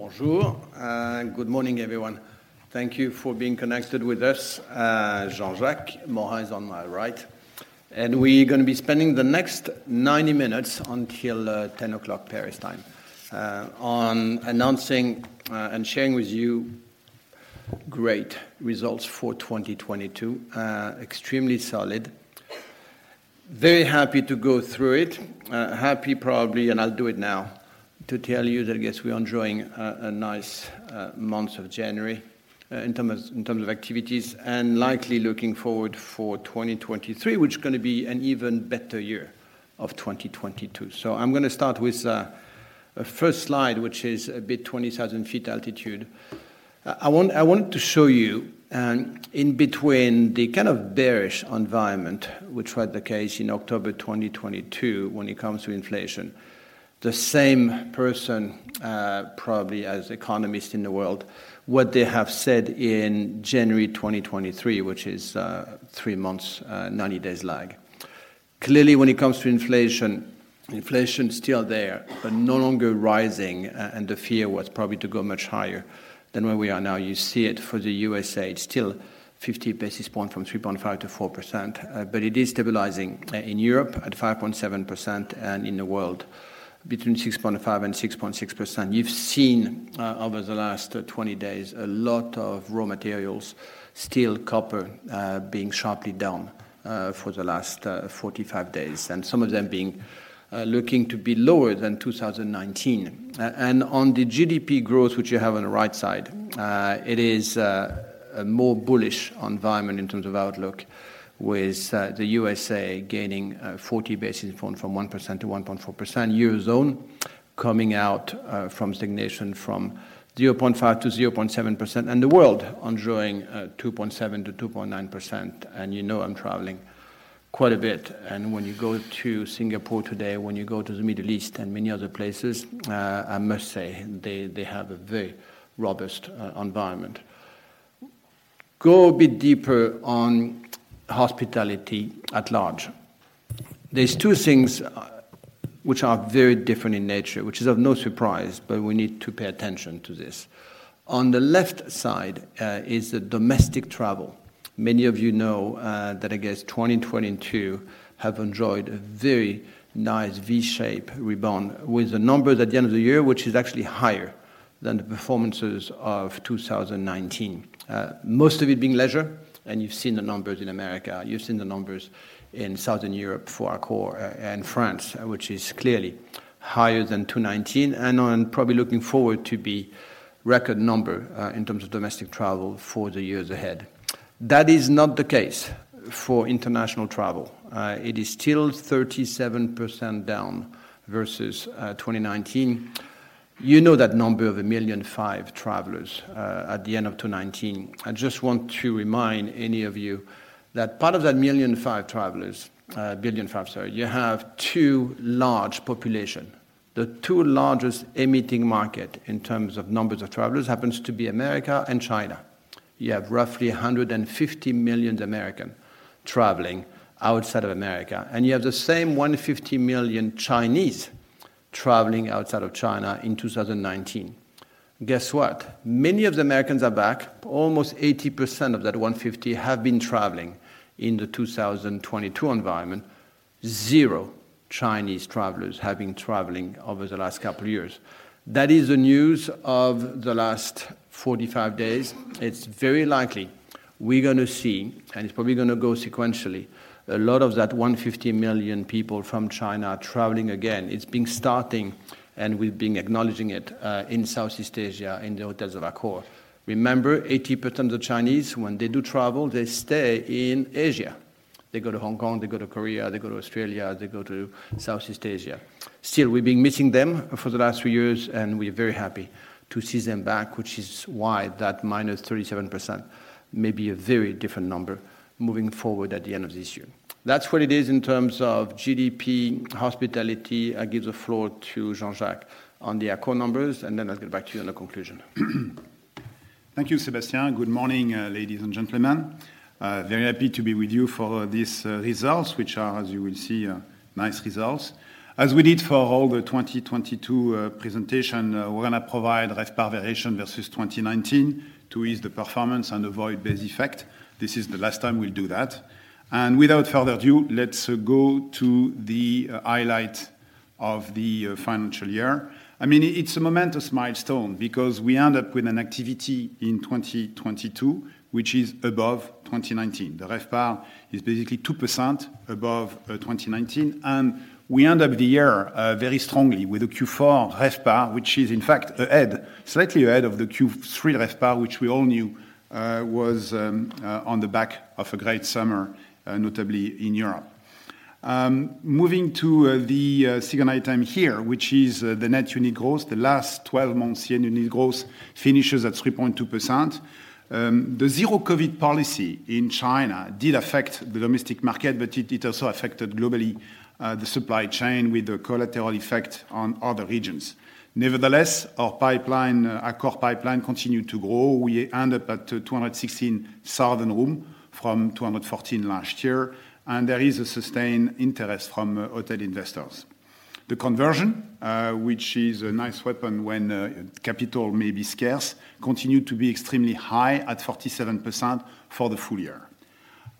Bonjour, good morning, everyone. Thank you for being connected with us. Jean-Jacques Morin is on my right. We're going to be spending the next 90 minutes until 10:00 A.M. Paris time, on announcing and sharing with you great results for 2022. Extremely solid. Very happy to go through it. Happy probably, and I'll do it now, to tell you that I guess we are enjoying a nice month of January in terms of activities, and likely looking forward for 2023, which is going to be an even better year of 2022. I'm going to start with a first slide, which is a bit 20,000 feet altitude. I wanted to show you, in between the kind of bearish environment, which was the case in October 2022 when it comes to inflation, the same person, probably as economist in the world, what they have said in January 2023, which is three months, 90 days lag. Clearly, when it comes to inflation is still there, but no longer rising. The fear was probably to go much higher than where we are now. You see it for the USA, it's still 50 basis points from 3.5%-4%, but it is stabilizing in Europe at 5.7% and in the world between 6.5% and 6.6%. You've seen over the last 20 days, a lot of raw materials, steel, copper, being sharply down for the last 45 days, and some of them being looking to be lower than 2019. On the GDP growth, which you have on the right side, it is a more bullish environment in terms of outlook with the USA gaining 40 basis points from 1% to 1.4%, Eurozone coming out from stagnation from 0.5%-0.7%, and the world enjoying 2.7%-2.9%. You know I'm traveling quite a bit, and when you go to Singapore today, when you go to the Middle East and many other places, I must say they have a very robust environment. Go a bit deeper on hospitality at large. There's two things, which are very different in nature, which is of no surprise, but we need to pay attention to this. On the left side, is the domestic travel. Many of you know, that I guess 2022 have enjoyed a very nice V-shape rebound with the numbers at the end of the year, which is actually higher than the performances of 2019. Most of it being leisure, and you've seen the numbers in America, you've seen the numbers in Southern Europe for Accor and France, which is clearly higher than 2019 and are probably looking forward to be record number in terms of domestic travel for the years ahead. That is not the case for international travel. It is still 37% down versus 2019. You know that number of 1.5 million travelers at the end of 2019. I just want to remind any of you that part of that 1.5 billion travelers, sorry, you have two large populations. The two largest emitting markets in terms of numbers of travelers happens to be America and China. You have roughly 150 million Americans traveling outside of America, and you have the same 150 million Chinese traveling outside of China in 2019. Guess what? Many of the Americans are back. Almost 80% of that 150 have been traveling in the 2022 environment. Zero Chinese travelers have been traveling over the last couple of years. That is the news of the last 45 days. It's very likely we're gonna see, and it's probably gonna go sequentially, a lot of that 150 million people from China traveling again. It's been starting, and we've been acknowledging it, in Southeast Asia, in the hotels of Accor. Remember, 80% of Chinese, when they do travel, they stay in Asia. They go to Hong Kong, they go to Korea, they go to Australia, they go to Southeast Asia. We've been missing them for the last few years, and we are very happy to see them back, which is why that -37% may be a very different number moving forward at the end of this year. That's what it is in terms of GDP, hospitality. I give the floor to Jean-Jacques on the Accor numbers, and then I'll get back to you on the conclusion. Thank you, Sébastien. Good morning, ladies and gentlemen. Very happy to be with you for these results, which are, as you will see, nice results. As we did for all the 2022 presentation, we're gonna provide RevPAR variation versus 2019 to ease the performance and avoid base effect. This is the last time we'll do that. Without further ado, let's go to the highlight of the financial year. I mean, it's a momentous milestone because we end up with an activity in 2022, which is above 2019. The RevPAR is basically 2% above 2019, and we end up the year very strongly with a Q4 RevPAR, which is in fact ahead, slightly ahead of the Q3 RevPAR, which we all knew was on the back of a great summer, notably in Europe. Moving to the second item here, which is the net unit growth. The last 12 months unit growth finishes at 3.2%. The zero-COVID policy in China did affect the domestic market, but it also affected globally the supply chain with a collateral effect on other regions. Nevertheless, our pipeline, Accor pipeline continued to grow. We ended up at 216,000 room from 214 last year, there is a sustained interest from hotel investors. The conversion, which is a nice weapon when capital may be scarce, continued to be extremely high at 47% for the full year.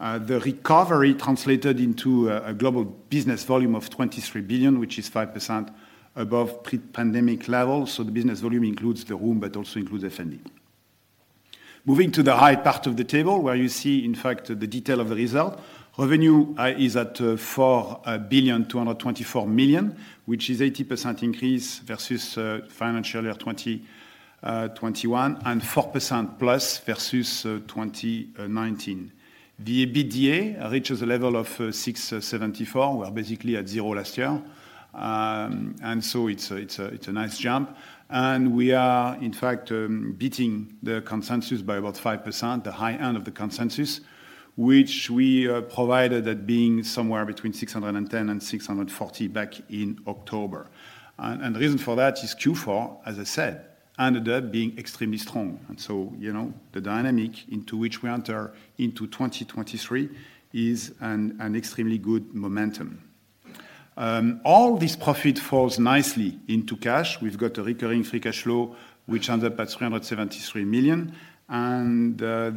The recovery translated into a global business volume of 23 billion, which is 5% above pre-pandemic levels. The business volume includes the room, but also includes F&B. Moving to the right part of the table where you see, in fact, the detail of the result. Revenue is at 4.224 billion, which is 80% increase versus financial year 2021 and 4% plus versus 2019. The EBITDA reaches a level of 674 million. We were basically at zero last year. It's a nice jump. We are, in fact, beating the consensus by about 5%, the high end of the consensus, which we provided at being somewhere between 610-640 back in October. The reason for that is Q4, as I said, ended up being extremely strong. You know, the dynamic into which we enter into 2023 is an extremely good momentum. All this profit falls nicely into cash. We've got a recurring free cash flow which ended up at 373 million.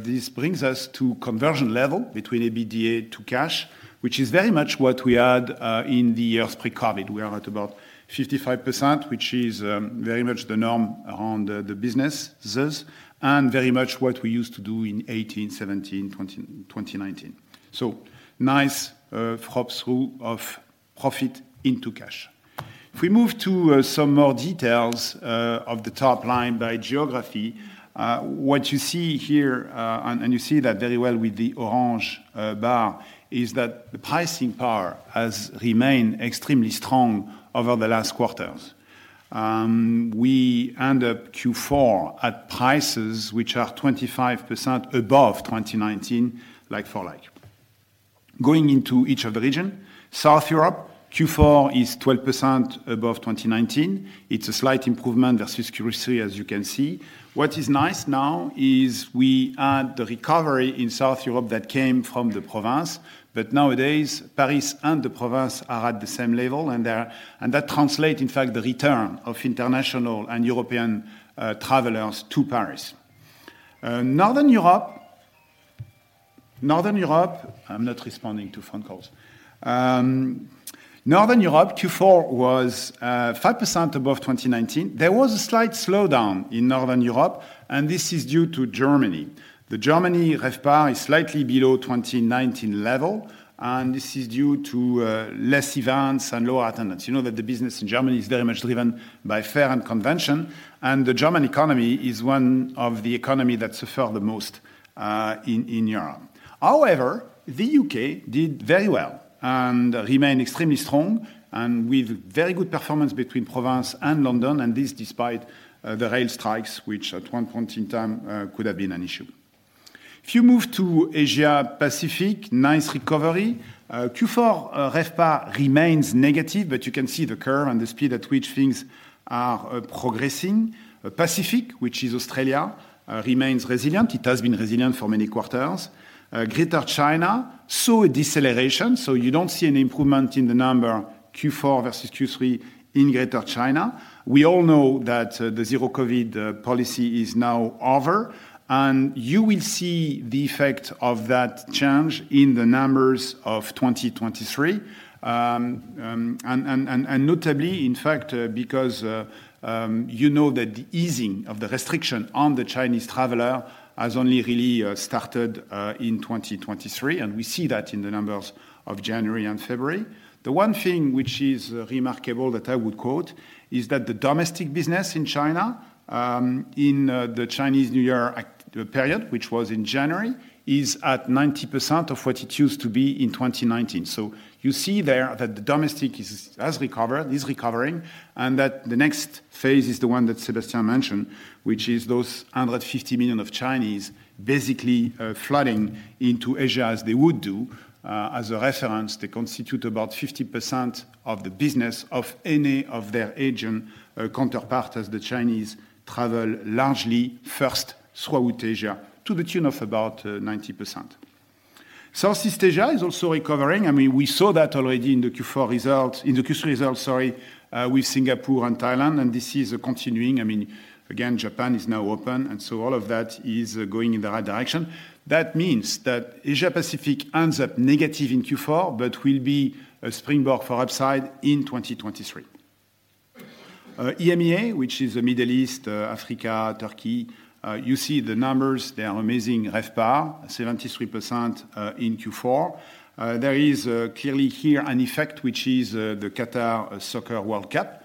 This brings us to conversion level between EBITDA to cash, which is very much what we had in the years pre-COVID. We are at about 55%, which is very much the norm around the businesses and very much what we used to do in 2018, 2017, 2020, 2019. Nice through of profit into cash. If we move to some more details of the top line by geography, what you see here, and you see that very well with the orange bar, is that the pricing power has remained extremely strong over the last quarters. We end up Q4 at prices which are 25% above 2019, like for like. Going into each of the region, South Europe, Q4 is 12% above 2019. It's a slight improvement versus Q3, as you can see. What is nice now is we add the recovery in South Europe that came from Provence, but nowadays, Paris and Provence are at the same level, and they're and that translate, in fact, the return of international and European, travelers to Paris. Northern Europe. Northern Europe I'm not responding to phone calls. Northern Europe, Q4 was 5% above 2019. There was a slight slowdown in Northern Europe, and this is due to Germany. The Germany RevPAR is slightly below 2019 level, and this is due to less events and lower attendance. You know that the business in Germany is very much driven by fair and convention, and the German economy is one of the economy that suffer the most in Europe. However, the U.K. did very well and remained extremely strong and with very good performance between Provence and London, and this despite the rail strikes, which at one point in time could have been an issue. If you move to Asia Pacific, nice recovery. Q4 RevPAR remains negative, but you can see the curve and the speed at which things are progressing. Pacific, which is Australia, remains resilient. It has been resilient for many quarters. Greater China saw a deceleration, so you don't see an improvement in the number Q4 versus Q3 in Greater China. We all know that the zero-COVID policy is now over, and you will see the effect of that change in the numbers of 2023. Notably, in fact, because you know that the easing of the restriction on the Chinese traveler has only really started in 2023, and we see that in the numbers of January and February. The one thing which is remarkable that I would quote is that the domestic business in China, in the Chinese New Year period, which was in January, is at 90% of what it used to be in 2019. You see there that the domestic has recovered, is recovering, and that the next phase is the one that Sébastien mentioned, which is those 150 million of Chinese basically flooding into Asia as they would do. As a reference, they constitute about 50% of the business of any of their Asian counterparts as the Chinese travel largely first throughout Asia to the tune of about 90%. Southeast Asia is also recovering. I mean, we saw that already in the Q3 result, sorry, with Singapore and Thailand, this is continuing. I mean, again, Japan is now open, all of that is going in the right direction. That means that Asia Pacific ends up negative in Q4 but will be a springboard for upside in 2023. EMEA, which is the Middle East, Africa, Turkey, you see the numbers. They are amazing RevPAR, 73% in Q4. There is clearly here an effect, which is the Qatar Soccer World Cup.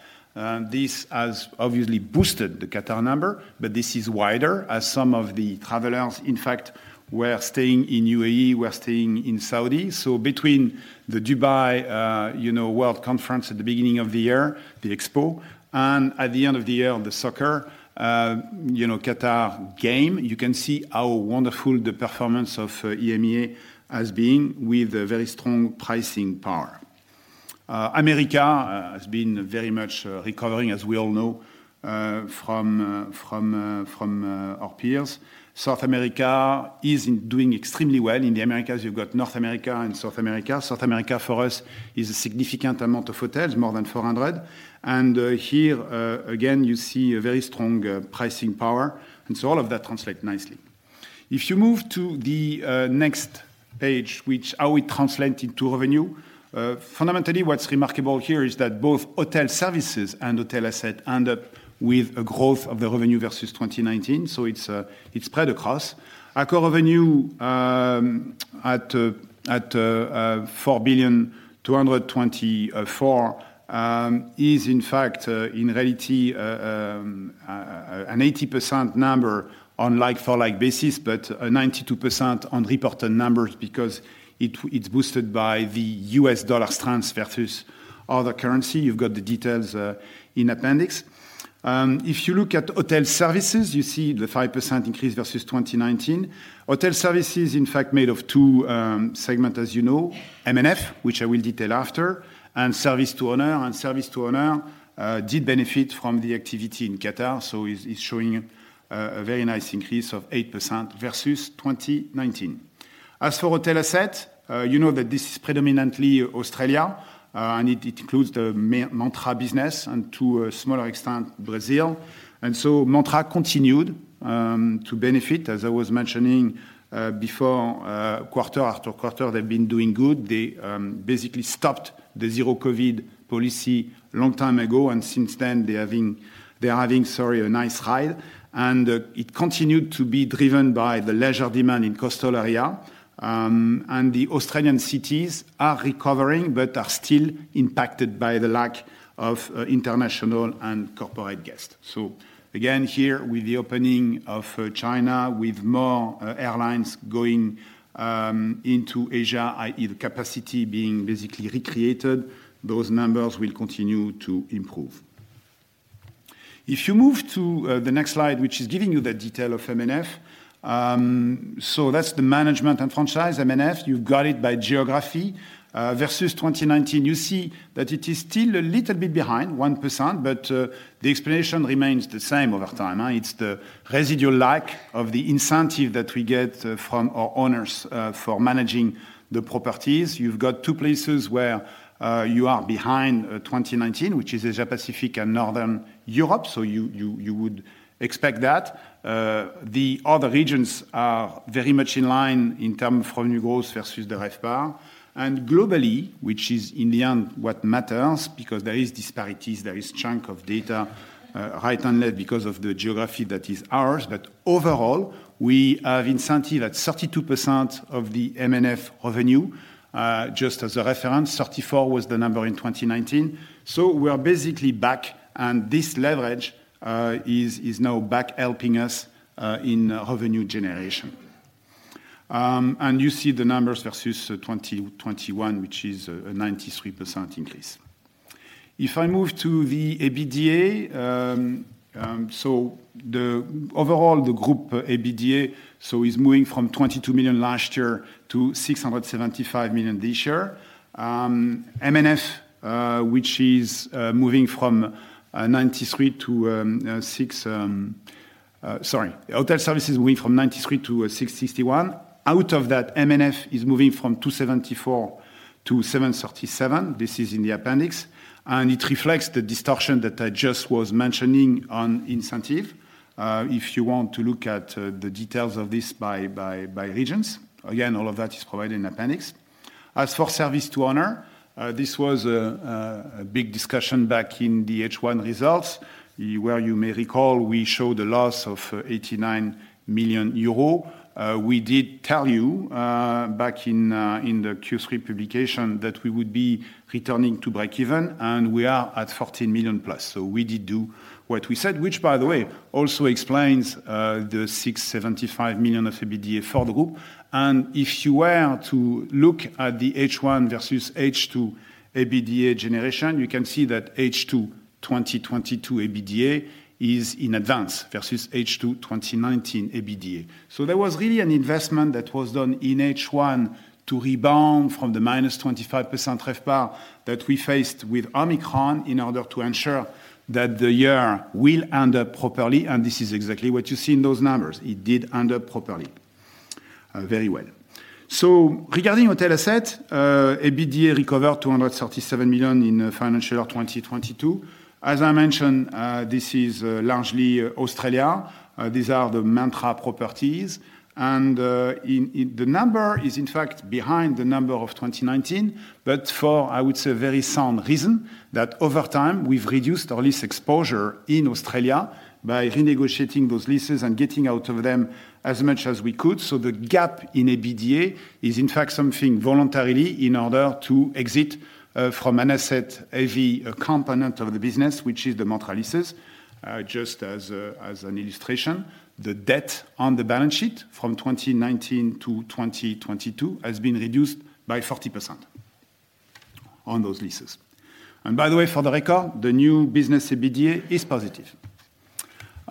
This has obviously boosted the Qatar number, but this is wider as some of the travelers, in fact, were staying in UAE, were staying in Saudi. Between the Dubai, you know, World Conference at the beginning of the year, the Expo, and at the end of the year, the soccer, you know, Qatar game, you can see how wonderful the performance of EMEA has been with a very strong pricing power. America has been very much recovering, as we all know, from our peers. South America is doing extremely well. In the Americas, you've got North America and South America. South America, for us, is a significant amount of hotels, more than 400. Here, again, you see a very strong pricing power. All of that translate nicely. You move to the next page, which how we translate into revenue. Fundamentally, what's remarkable here is that both hotel services and hotel asset end up with a growth of the revenue versus 2019. It's spread across. Accor revenue, at EUR 4 billion 224, is in fact, in reality, an 80% number on like-for-like basis, but a 92% on reported numbers because it's boosted by the US dollar strength versus other currency. You've got the details in appendix. If you look at hotel services, you see the 5% increase versus 2019. Hotel services, in fact, made of two, segment, as you know, M&F, which I will detail after, and service to owner. Service to owner did benefit from the activity in Qatar, so is showing a very nice increase of 8% versus 2019. As for hotel asset, you know that this is predominantly Australia, and it includes the Mantra business and to a smaller extent, Brazil. Mantra continued to benefit. As I was mentioning before, quarter-after-quarter, they've been doing good. They basically stopped the zero-COVID policy long time ago, and since then, they're having, sorry, a nice ride. It continued to be driven by the leisure demand in coastal area. The Australian cities are recovering but are still impacted by the lack of international and corporate guests. Again, here with the opening of China, with more airlines going into Asia, i.e. the capacity being basically recreated, those numbers will continue to improve. If you move to the next slide, which is giving you the detail of M&F. That's the management and franchise, M&F. You've got it by geography. Versus 2019, you see that it is still a little bit behind 1%, but the explanation remains the same over time. It's the residual lack of the incentive that we get from our owners, for managing the properties. You've got two places where you are behind, 2019, which is Asia-Pacific and Northern Europe. You would expect that. The other regions are very much in line in term of revenue growth versus the RevPAR. Globally, which is in the end what matters because there is disparities, there is chunk of data right under because of the geography that is ours. Overall, we have incentive at 32% of the M&F revenue. Just as a reference, 34 was the number in 2019. We are basically back, and this leverage is now back helping us in revenue generation. You see the numbers versus 2021, which is a 93% increase. If I move to the EBITDA, the overall the group EBITDA is moving from 22 million last year to 675 million this year. M&F, which is moving from 93 million to 6 million, sorry. Hotel services moving from 93 million to 661 million. Out of that, M&F is moving from 274 to 737. This is in the appendix, it reflects the distortion that I just was mentioning on incentive. If you want to look at the details of this by regions. Again, all of that is provided in appendix. As for service to owner, this was a big discussion back in the H1 results, where you may recall, we showed a loss of 89 million euro. We did tell you back in the Q3 publication that we would be returning to breakeven, we are at 14+ million. We did do what we said, which by the way, also explains the 675 million of EBITDA for the group. If you were to look at the H1 versus H2 EBITDA generation, you can see that H2 2022 EBITDA is in advance versus H2 2019 EBITDA. There was really an investment that was done in H1 to rebound from the -25% RevPAR that we faced with Omicron in order to ensure that the year will end up properly, and this is exactly what you see in those numbers. It did end up properly, very well. Regarding hotel asset, EBITDA recovered 237 million in financial year 2022. As I mentioned, this is largely Australia. These are the Mantra properties. The number is in fact behind the number of 2019, but for, I would say, a very sound reason that over time, we've reduced our lease exposure in Australia by renegotiating those leases and getting out of them as much as we could. The gap in EBITDA is, in fact, something voluntarily in order to exit from an asset-heavy component of the business, which is the Mantra leases. Just as an illustration, the debt on the balance sheet from 2019 to 2022 has been reduced by 40% on those leases. By the way, for the record, the new business EBITDA is positive.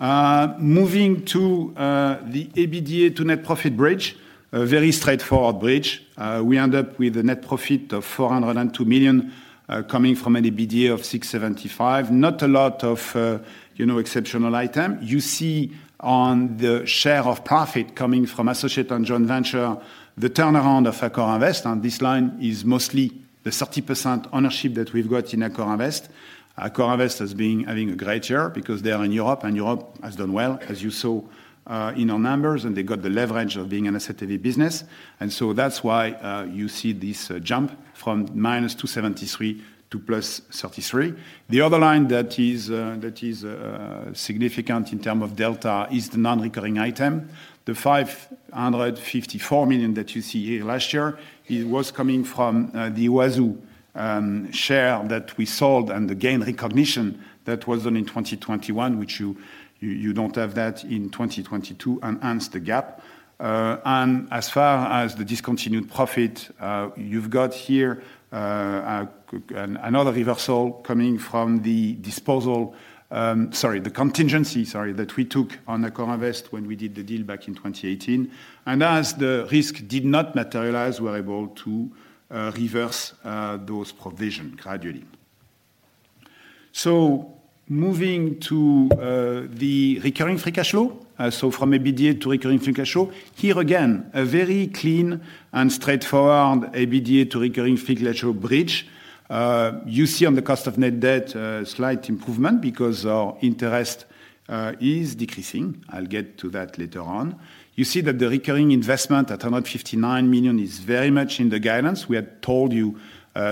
Moving to the EBITDA to net profit bridge, a very straightforward bridge. We end up with a net profit of 402 million coming from an EBITDA of 675 million. Not a lot of, you know, exceptional item. You see on the share of profit coming from associate and joint venture, the turnaround of AccorInvest, and this line is mostly the 30% ownership that we've got in AccorInvest. AccorInvest has been having a great year because they are in Europe, and Europe has done well, as you saw in our numbers, and they got the leverage of being an asset-heavy business. That's why you see this jump from -273 to +33 million. The other line that is, that is significant in terms of delta is the non-recurring item. The 554 million that you see here last year, it was coming from the Huazhu share that we sold and the gain recognition that was done in 2021, which you don't have that in 2022, hence the gap. As far as the discontinued profit, you've got here another reversal coming from the disposal, the contingency, that we took on AccorInvest when we did the deal back in 2018. As the risk did not materialize, we're able to reverse those provision gradually. Moving to the recurring free cash flow. From EBITDA to recurring free cash flow. Here again, a very clean and straightforward EBITDA to recurring free cash flow bridge. You see on the cost of net debt a slight improvement because our interest is decreasing. I'll get to that later on. You see that the recurring investment at 159 million is very much in the guidance. We had told you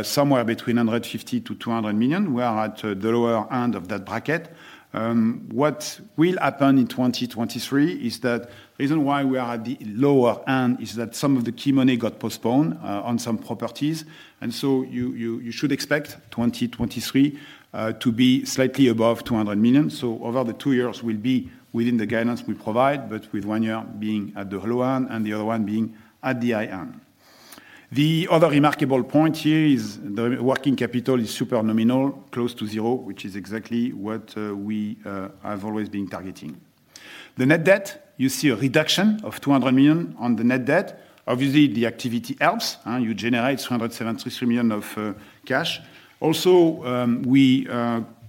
somewhere between 150-200 million. We are at the lower end of that bracket. What will happen in 2023 is that reason why we are at the lower end is that some of the key money got postponed on some properties. So you, you should expect 2023 to be slightly above 200 million. Over the two years we'll be within the guidance we provide, but with one year being at the low end and the other one being at the high end. The other remarkable point here is the working capital is super nominal, close to zero, which is exactly what we have always been targeting. The net debt, you see a reduction of 200 million on the net debt. Obviously, the activity helps. You generate 273 million of cash. We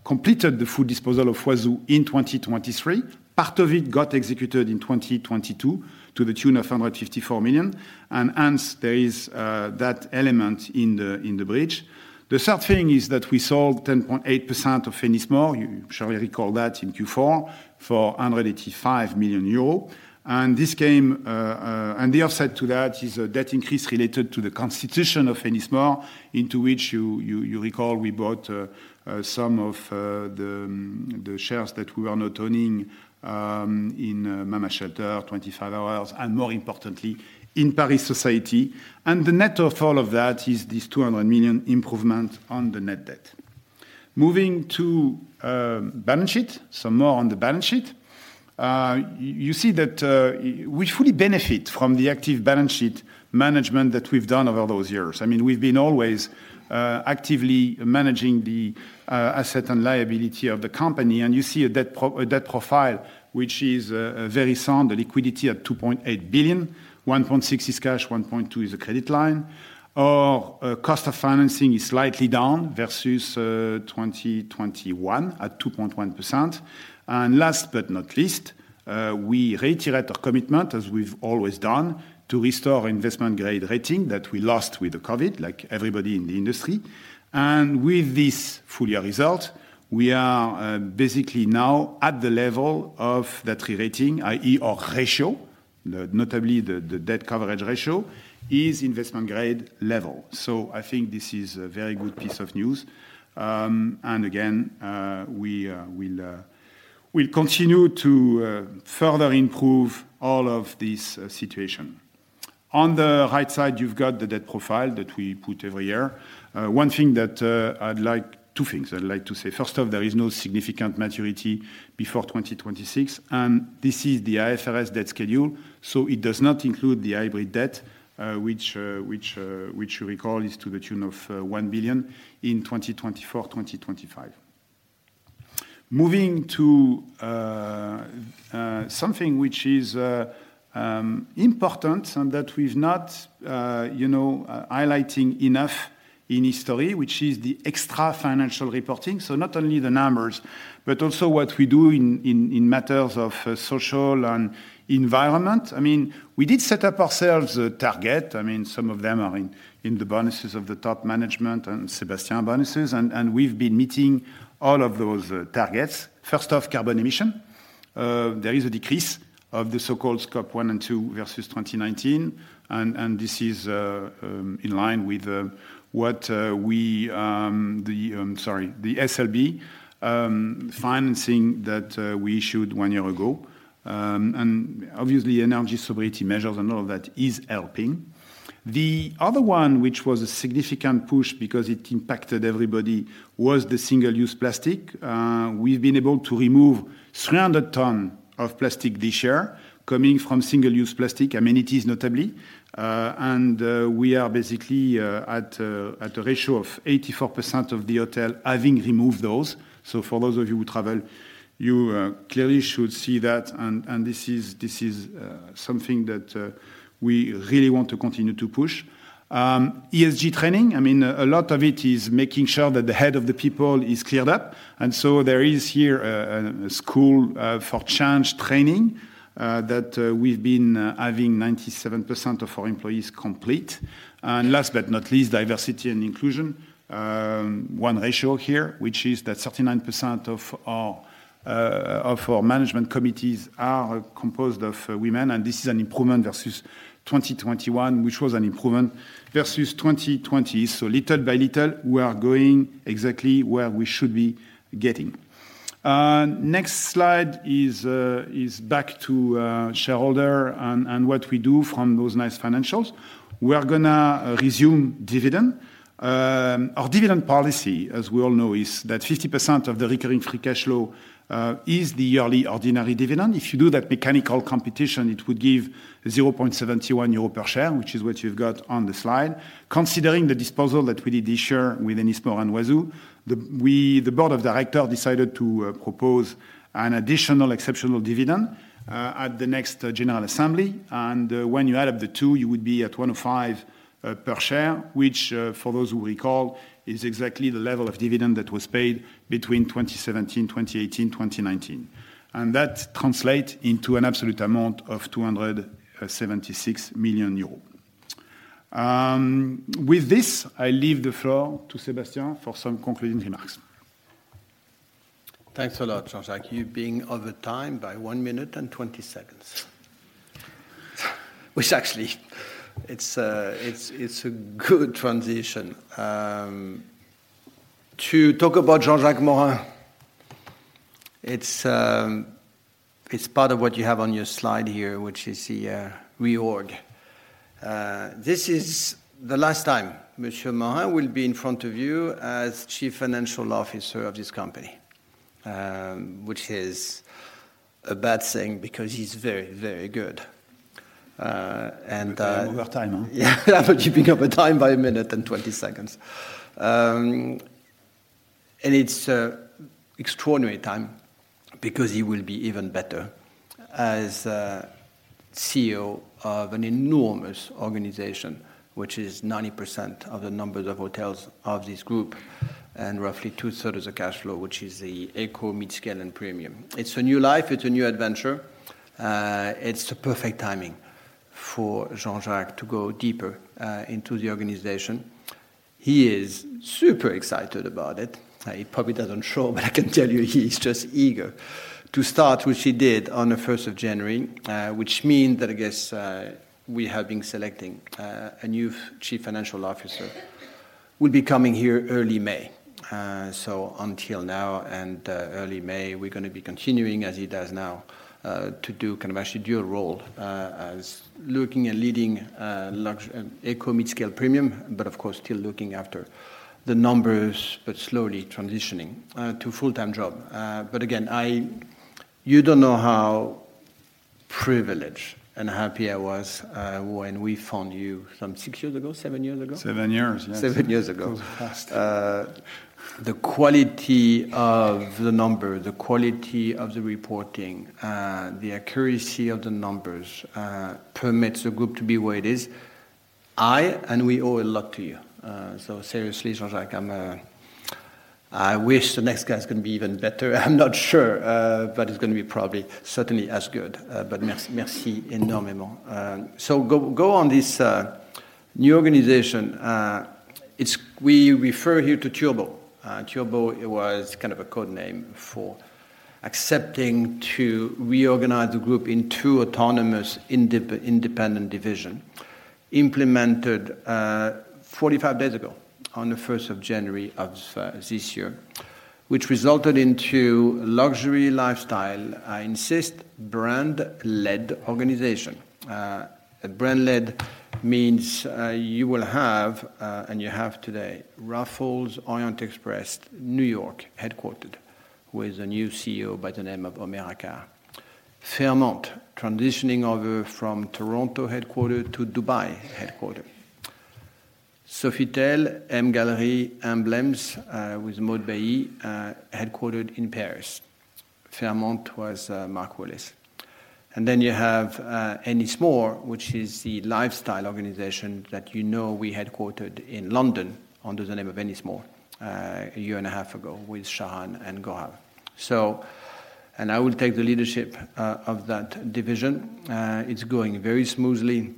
completed the full disposal of Huazhu in 2023. Part of it got executed in 2022 to the tune of 154 million, there is that element in the bridge. The third thing is that we sold 10.8% of Ennismore. You surely recall that in Q4 for 185 million euro. The offset to that is a debt increase related to the constitution of Ennismore, into which you recall we bought some of the shares that we were not owning in Mama Shelter, 25 hours Hotels and more importantly, in Paris Society. The net of all of that is this 200 million improvement on the net debt. Moving to balance sheet. Some more on the balance sheet. You see that we fully benefit from the active balance sheet management that we've done over those years. I mean, we've been always actively managing the asset and liability of the company, and you see a debt profile which is very sound. The liquidity at 2.8 billion. 1.6 is cash, 1.2 is a credit line. Our cost of financing is slightly down versus 2021 at 2.1%. Last but not least, we reiterate our commitment, as we've always done, to restore investment-grade rating that we lost with the COVID, like everybody in the industry. With this full year result, we are basically now at the level of that re-rating, i.e., our ratio, notably the debt coverage ratio, is investment-grade level. I think this is a very good piece of news. Again, we will continue to further improve all of this situation. On the right side, you've got the debt profile that we put every year. Two things I'd like to say. First off, there is no significant maturity before 2026, and this is the IFRS debt schedule, so it does not include the hybrid debt, which you recall is to the tune of 1 billion in 2024, 2025. Moving to something which is important and that we've not, you know, highlighting enough in history, which is the extra-financial reporting. Not only the numbers, but also what we do in matters of social and environment. I mean, we did set up ourselves a target. I mean, some of them are in the bonuses of the top management and Sébastien bonuses, and we've been meeting all of those targets. First off, carbon emission. There is a decrease of the so-called Scope 1 and 2 versus 2019, and this is in line with what we the SLB financing that we issued one year ago. Obviously energy sobriety measures and all of that is helping. The other one, which was a significant push because it impacted everybody, was the single-use plastic. We've been able to remove 300 ton of plastic this year coming from single-use plastic amenities, notably. We are basically at a ratio of 84% of the hotel having removed those. For those of you who travel, you clearly should see that and this is something that we really want to continue to push. ESG training, I mean, a lot of it is making sure that the head of the people is cleared up. There is here a School For Change training that we've been having 97% of our employees complete. Last but not least, diversity and inclusion. One ratio here, which is that 39% of our of our management committees are composed of women, this is an improvement versus 2021, which was an improvement versus 2020. Little by little, we are going exactly where we should be getting. Next slide is back to shareholder and what we do from those nice financials. We are gonna resume dividend. Our dividend policy, as we all know, is that 50% of the recurring free cash flow is the yearly ordinary dividend. If you do that mechanical competition, it would give 0.71 euro per share, which is what you've got on the slide. Considering the disposal that we did this year with Ennismore and Huazhu, we, the board of directors decided to propose an additional exceptional dividend at the next general assembly. When you add up the two, you would be at 1.05 per share, which, for those who recall, is exactly the level of dividend that was paid between 2017, 2018, 2019. That translates into an absolute amount of 276 million euros. With this, I leave the floor to Sébastien for some concluding remarks. Thanks a lot, Jean-Jacques. You're being over time by 1 minute and 20 seconds. Actually it's a good transition to talk about Jean-Jacques Morin. It's part of what you have on your slide here, which is the reorg. This is the last time Monsieur Morin will be in front of you as Chief Financial Officer of this company, which is a bad thing because he's very, very good. Over time, huh? You being over time by 1 minute and 20 seconds. It's an extraordinary time because he will be even better as CEO of an enormous organization, which is 90% of the numbers of hotels of this group and roughly two-thirds of the cash flow, which is the eco, mid-scale, and premium. It's a new life. It's a new adventure. It's the perfect timing for Jean-Jacques to go deeper into the organization. He is super excited about it. He probably doesn't show, but I can tell you he's just eager to start, which he did on the 1st of January. Which means that I guess, we have been selecting a new Chief Financial Officer will be coming here early May. Until now and early May, we're gonna be continuing as he does now to do kind of actually dual role as looking and leading eco, mid-scale, premium, but of course, still looking after the numbers, but slowly transitioning to full-time job. Again, you don't know how privileged and happy I was when we found you some six years ago, seven years ago? 7 years, yes. Seven years ago. It was fast. The quality of the number, the quality of the reporting, the accuracy of the numbers, permits the group to be where it is. I and we owe a lot to you. Seriously, Jean-Jacques, I'm, I wish the next guy is gonna be even better. I'm not sure, but it's gonna be probably certainly as good. Merci, merci énormément. Go on this new organization. We refer here to Turbo. Turbo was kind of a code name for Accor to reorganize the group in two autonomous independent division, implemented, 45 days ago on the 1st of January of this year, which resulted into luxury lifestyle, I insist, brand-led organization. Brand-led means, you will have, and you have today, Raffles, Orient Express, New York headquartered with a new CEO by the name of Omer Acar. Fairmont transitioning over from Toronto headquartered to Dubai headquartered. Sofitel, MGallery, Emblems, with Maud Bailly, headquartered in Paris. Fairmont was, Mark Willis. You have Ennismore, which is the lifestyle organization that you know we headquartered in London under the name of Ennismore, 1.5 years ago with Sharan Pasricha and Gaurav Bhushan. I will take the leadership of that division. It's going very smoothly.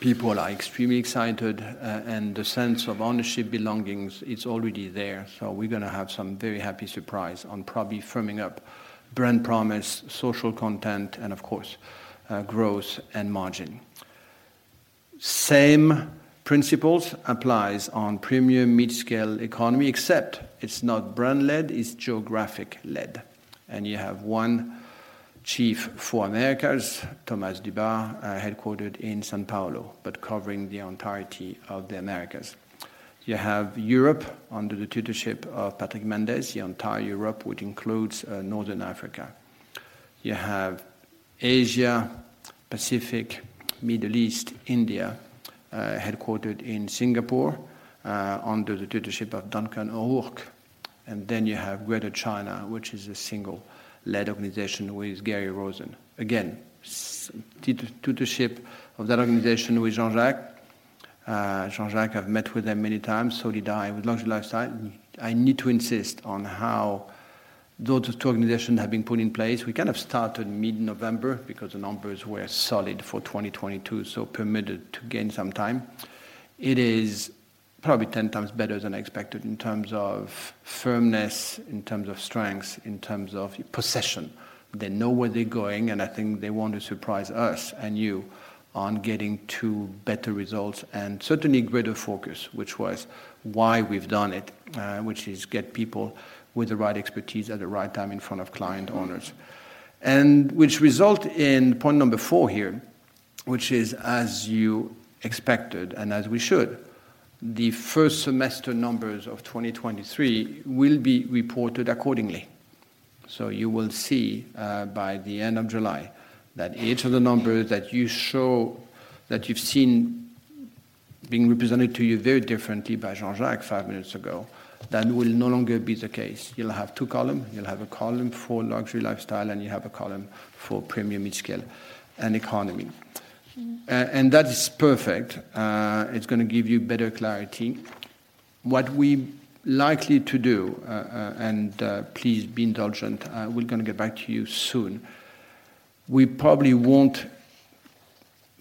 People are extremely excited, and the sense of ownership belongings, it's already there. We're gonna have some very happy surprise on probably firming up brand promise, social content, and of course, growth and margin. Same principles apply on premium mid-scale economy, except it's not brand-led, it's geographic-led. You have one Chief for Americas, Thomas Dubas, headquartered in São Paulo, but covering the entirety of the Americas. You have Europe under the tutorship of Patrick Mendes, the entire Europe, which includes North Africa. You have Asia Pacific, Middle East, India, headquartered in Singapore, under the tutorship of Duncan O'Rourke. You have Greater China, which is a single-led organization with Gary Rosen. Again, tutorship of that organization with Jean-Jacques. Jean-Jacques, I've met with him many times, so did I with Luxury Lifestyle. I need to insist on how those two organizations have been put in place. We kind of started mid-November because the numbers were solid for 2022, so permitted to gain some time. It is probably 10 times better than expected in terms of firmness, in terms of strength, in terms of possession. They know where they're going, and I think they want to surprise us and you on getting to better results and certainly greater focus, which was why we've done it, which is get people with the right expertise at the right time in front of client owners. Which result in point number four here, which is, as you expected and as we should, the first semester numbers of 2023 will be reported accordingly. You will see, by the end of July that each of the numbers that you show, that you've seen being represented to you very differently by Jean-Jacques five minutes ago, that will no longer be the case. You'll have 2 column. You'll have a column for Luxury Lifestyle, and you have a column for Premium, Midscale, and Economy. That is perfect. It's gonna give you better clarity. What we likely to do, please be indulgent, we're gonna get back to you soon. We probably won't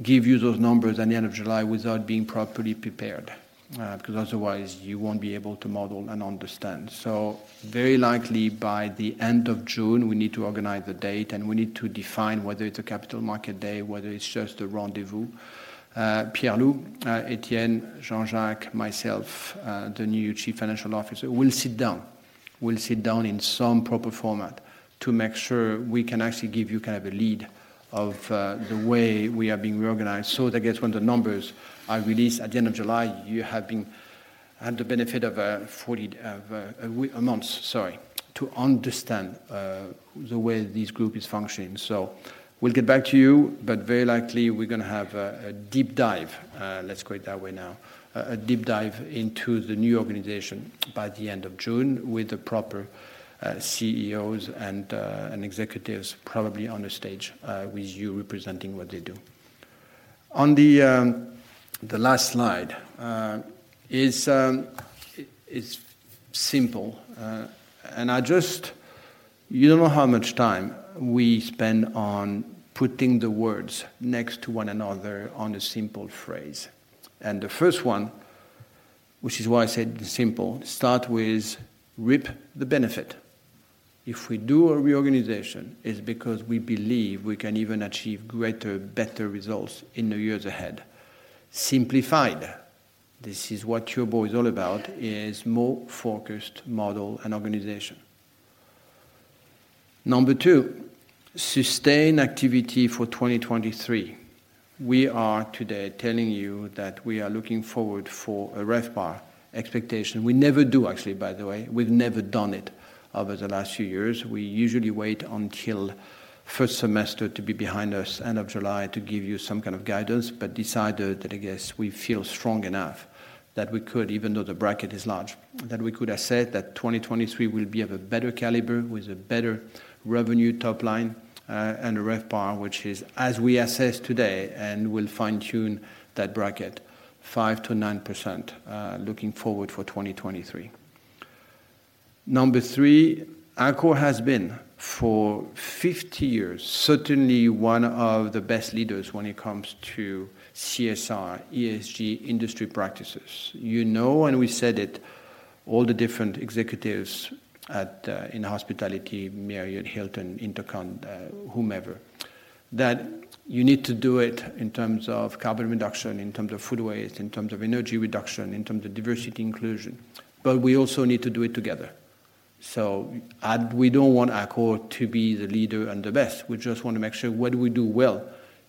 give you those numbers at the end of July without being properly prepared, because otherwise you won't be able to model and understand. Very likely by the end of June, we need to organize the date, and we need to define whether it's a capital market day, whether it's just a rendezvous. Pierre-Loup, Etienne, Jean-Jacques, myself, the new Chief Financial Officer will sit down. We'll sit down in some proper format to make sure we can actually give you kind of a lead of the way we are being reorganized. That gets when the numbers are released at the end of July, you had the benefit of 40 a month, sorry, to understand the way this group is functioning. We'll get back to you, but very likely we're gonna have a deep dive, let's put it that way now, a deep dive into the new organization by the end of June with the proper CEOs and executives probably on the stage with you representing what they do. On the last slide is it's simple. You don't know how much time we spend on putting the words next to one another on a simple phrase. The first one, which is why I said simple, start with reap the benefit. If we do a reorganization, it's because we believe we can even achieve greater, better results in the years ahead. Simplified, this is what Turbo is all about, is more focused model and organization. Number two, sustain activity for 2023. We are today telling you that we are looking forward for a RevPAR expectation. We never do actually, by the way. We've never done it over the last few years. We usually wait until first semester to be behind us, end of July, to give you some kind of guidance. Decided that I guess we feel strong enough that we could, even though the bracket is large, that we could assert that 2023 will be of a better caliber with a better revenue top line, and a RevPAR, which is, as we assess today, and we'll fine-tune that bracket, 5%-9%, looking forward for 2023. Number three, Accor has been, for 50 years, certainly one of the best leaders when it comes to CSR, ESG industry practices. You know, we said it, all the different executives at, in hospitality, Marriott, Hilton, InterCon, whomever, that you need to do it in terms of carbon reduction, in terms of food waste, in terms of energy reduction, in terms of diversity inclusion. We also need to do it together. We don't want Accor to be the leader and the best. We just want to make sure what we do well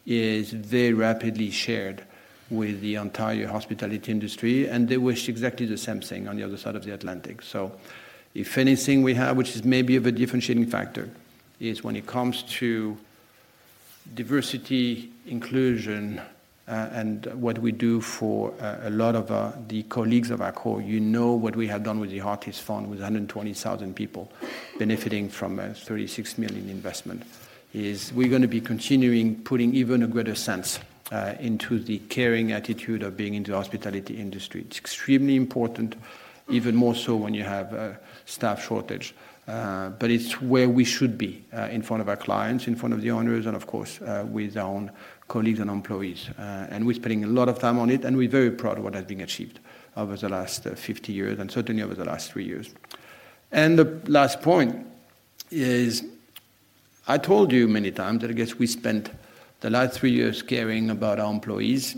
is very rapidly shared with the entire hospitality industry, and they wish exactly the same thing on the other side of the Atlantic. If anything we have, which is maybe of a differentiating factor, is when it comes to diversity, inclusion, and what we do for a lot of the colleagues of Accor, you know what we have done with the Heartist Fund, with 120,000 people benefiting from a 36 million investment, is we're gonna be continuing putting even a greater sense into the caring attitude of being into hospitality industry. It's extremely important, even more so when you have a staff shortage, but it's where we should be, in front of our clients, in front of the owners, and of course, with our own colleagues and employees. We're spending a lot of time on it, and we're very proud of what has been achieved over the last 50 years and certainly over the last 3 years. The last point is I told you many times that I guess we spent the last three years caring about our employees,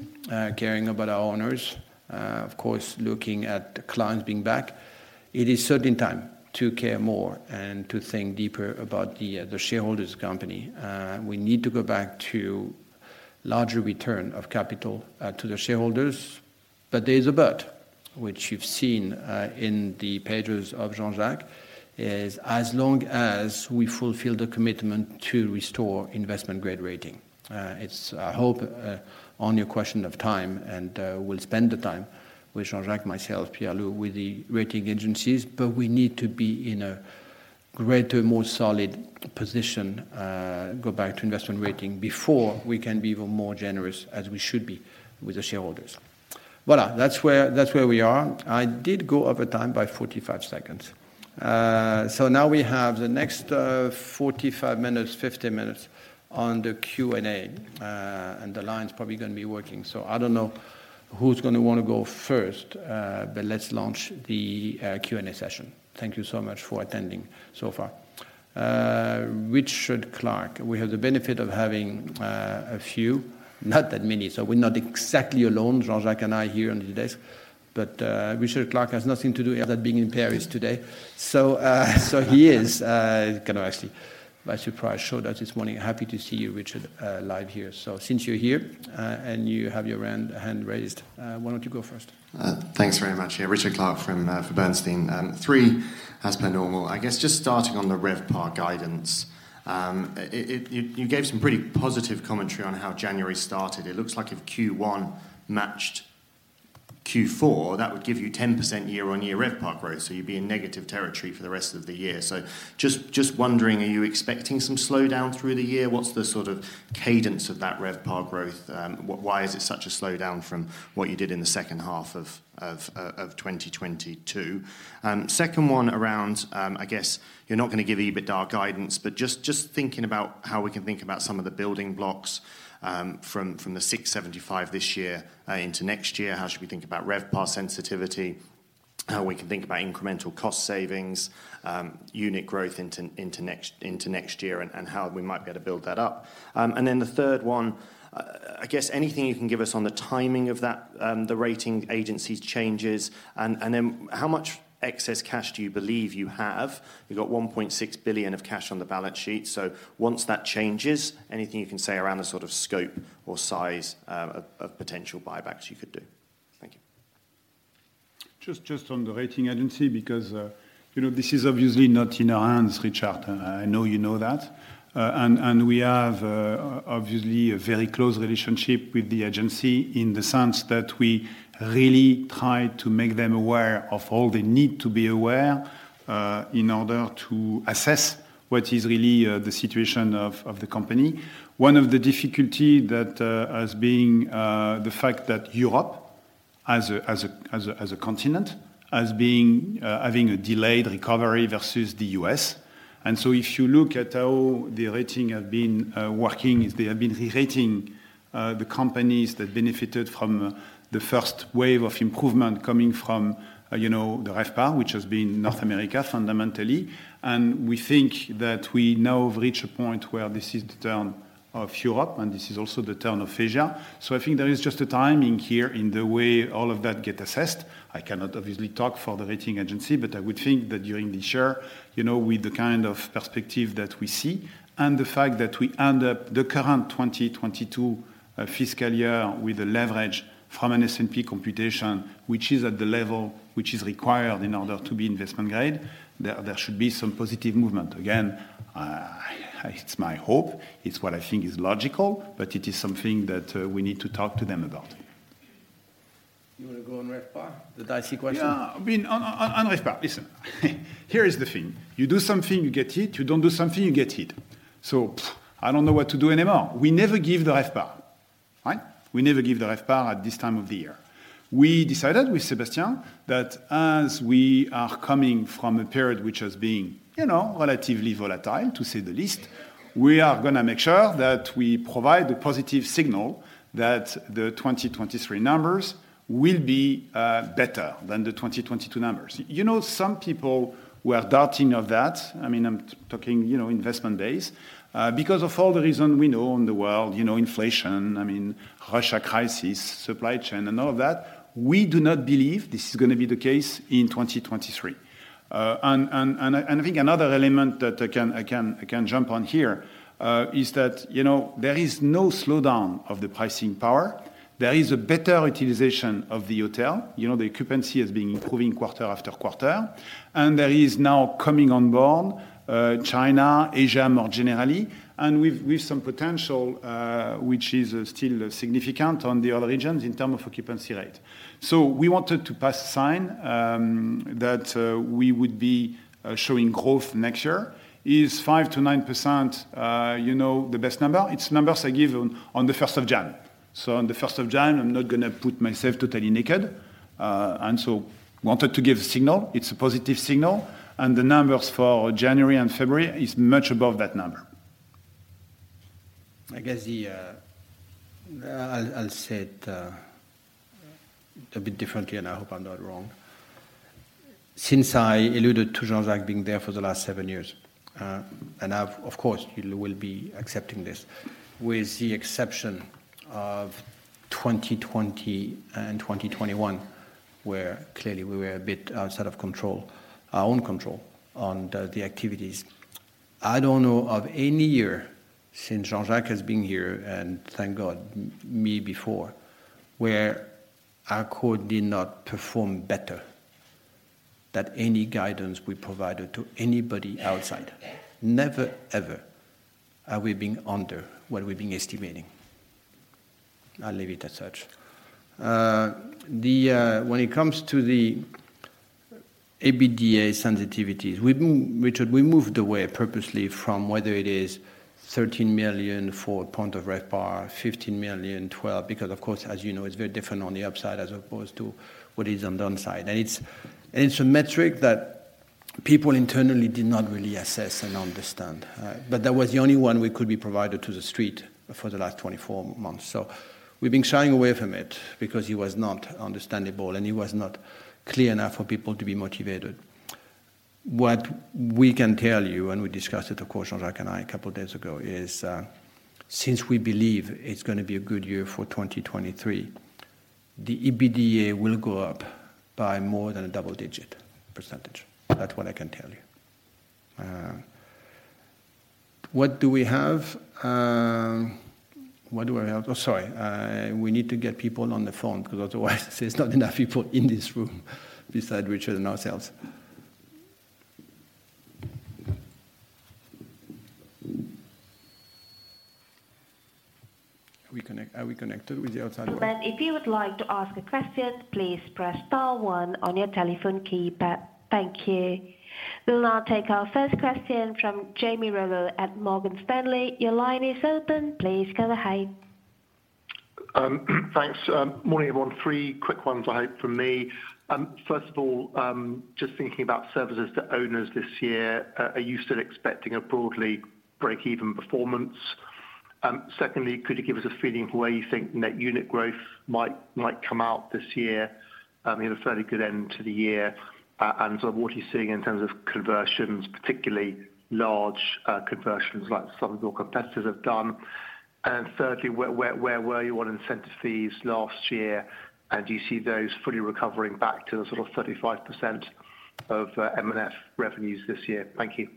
caring about our owners, of course, looking at the clients being back. It is certain time to care more and to think deeper about the shareholders company. We need to go back to larger return of capital to the shareholders. There is a but, which you've seen in the pages of Jean-Jacques, is as long as we fulfill the commitment to restore investment-grade rating. It's, I hope, on your question of time, and we'll spend the time with Jean-Jacques, myself, Pierre Lou with the rating agencies. We need to be in a greater, more solid position, go back to investment rating before we can be even more generous as we should be with the shareholders. Voila, that's where, that's where we are. I did go over time by 45 seconds. Now we have the next 45 minutes, 50 minutes on the Q&A. The line's probably gonna be working. I don't know who's gonna wanna go first, let's launch the Q&A session. Thank you so much for attending so far. Richard Clarke. We have the benefit of having a few, not that many, so we're not exactly alone, Jean-Jacques and I here on the desk. Richard Clarke has nothing to do other than being in Paris today. He is kind of actually, by surprise, showed up this morning. Happy to see you, Richard, live here. Since you're here, and you have your hand raised, why don't you go first? Thanks very much. Yeah, Richard Clarke for Bernstein. Three as per normal. I guess just starting on the RevPAR guidance. It, you gave some pretty positive commentary on how January started. It looks like if Q1 matched Q4, that would give you 10% year-on-year RevPAR growth, so you'd be in negative territory for the rest of the year. Just wondering, are you expecting some slowdown through the year? What's the sort of cadence of that RevPAR growth? Why is it such a slowdown from what you did in the second half of 2022? Second one around, I guess you're not gonna give EBITDA guidance, but just thinking about how we can think about some of the building blocks from the 675 this year into next year. How should we think about RevPAR sensitivity? How we can think about incremental cost savings, unit growth into next year, and how we might be able to build that up. The third one, I guess anything you can give us on the timing of that, the rating agencies changes, and then how much excess cash do you believe you have? You've got 1.6 billion of cash on the balance sheet. Once that changes, anything you can say around the sort of scope or size of potential buybacks you could do. Thank you. Just on the rating agency, because, you know, this is obviously not in our hands, Richard. I know you know that. And we have obviously a very close relationship with the agency in the sense that we really try to make them aware of all they need to be aware in order to assess what is really the situation of the company. One of the difficulty that has been the fact that Europe as a continent, as being having a delayed recovery versus the U.S. So if you look at how the rating have been working, is they have been re-rating the companies that benefited from the first wave of improvement coming from, you know, the RevPAR, which has been North America fundamentally. We think that we now have reached a point where this is the turn of Europe, and this is also the turn of Asia. I think there is just a timing here in the way all of that get assessed. I cannot obviously talk for the rating agency, but I would think that during this year, you know, with the kind of perspective that we see and the fact that we end up the current 2022 fiscal year with a leverage from an S&P computation, which is at the level which is required in order to be investment grade, there should be some positive movement. Again, it's my hope. It's what I think is logical, but it is something that we need to talk to them about. You wanna go on RevPAR, the dicey question? Yeah. I mean, on RevPAR, listen, here is the thing. You do something, you get hit. You don't do something, you get hit. I don't know what to do anymore. We never give the RevPAR, right? We never give the RevPAR at this time of the year. We decided with Sébastien that as we are coming from a period which has been, you know, relatively volatile, to say the least, we are gonna make sure that we provide the positive signal that the 2023 numbers will be better than the 2022 numbers. You know, some people were doubting of that. I mean, I'm talking, you know, investment days. Because of all the reason we know in the world, you know, inflation, I mean, Russia crisis, supply chain and all of that, we do not believe this is gonna be the case in 2023. I think another element that I can jump on here is that, you know, there is no slowdown of the pricing power. There is a better utilization of the hotel. You know, the occupancy has been improving quarter after quarter. There is now coming on board China, Asia more generally, and with some potential which is still significant on the other regions in term of occupancy rate. We wanted to pass sign that we would be showing growth next year. Is 5%-9%, you know, the best number? It's numbers I give on the 1st of January. On the 1st of January, I'm not gonna put myself totally naked. Wanted to give signal. It's a positive signal, and the numbers for January and February is much above that number. I guess I'll say it a bit differently. I hope I'm not wrong. Since I alluded to Jean-Jacques being there for the last seven years, I've of course, you will be accepting this, with the exception of 2020 and 2021, where clearly we were a bit outside of control, our own control on the activities. I don't know of any year since Jean-Jacques has been here, thank God, me before, where Accor did not perform better than any guidance we provided to anybody outside. Never, ever have we been under what we've been estimating. I'll leave it as such. When it comes to the EBITDA sensitivities, we Richard, we moved away purposely from whether it is 13 million for point of RevPAR, 15 million, 12, because of course, as you know, it's very different on the upside as opposed to what is on the downside. It's a metric that people internally did not really assess and understand. That was the only one we could be provided to the street for the last 24 months. We've been shying away from it because it was not understandable, and it was not clear enough for people to be motivated. What we can tell you, and we discussed it, of course, Jean-Jacques and I a couple days ago, is, since we believe it's gonna be a good year for 2023, the EBITDA will go up by more than a double-digit percent. That's what I can tell you. What do we have? What do I have? Oh, sorry. We need to get people on the phone because otherwise there's not enough people in this room beside Richard and ourselves. Are we connected with the outside world? If you would like to ask a question, please press star one on your telephone keypad. Thank you. We'll now take our first question from Jamie Rollo at Morgan Stanley. Your line is open. Please go ahead. Thanks. Morning, everyone. Three quick ones, I hope, from me. First of all, just thinking about services to owners this year, are you still expecting a broadly breakeven performance? Secondly, could you give us a feeling for where you think net unit growth might come out this year? You had a fairly good end to the year. Sort of what are you seeing in terms of conversions, particularly large, conversions like some of your competitors have done. Thirdly, where were you on incentive fees last year? Do you see those fully recovering back to the sort of 35% of M&F revenues this year? Thank you.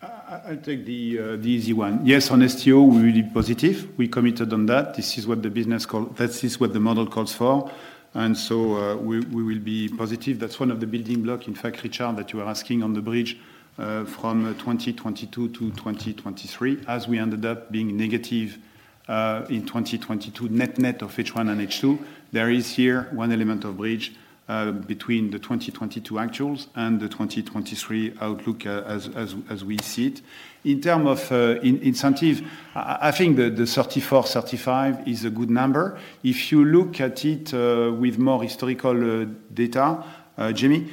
I'll take the easy one. Yes, on STO, we're really positive. We committed on that. This is what the model calls for. We will be positive. That's one of the building block, in fact, Richard, that you are asking on the bridge from 2022 to 2023. As we ended up being negative in 2022 net-net of H1 and H2, there is here one element of bridge between the 2022 actuals and the 2023 outlook as we see it. In term of incentive, I think the 34, 35 is a good number. If you look at it with more historical data, Jamie,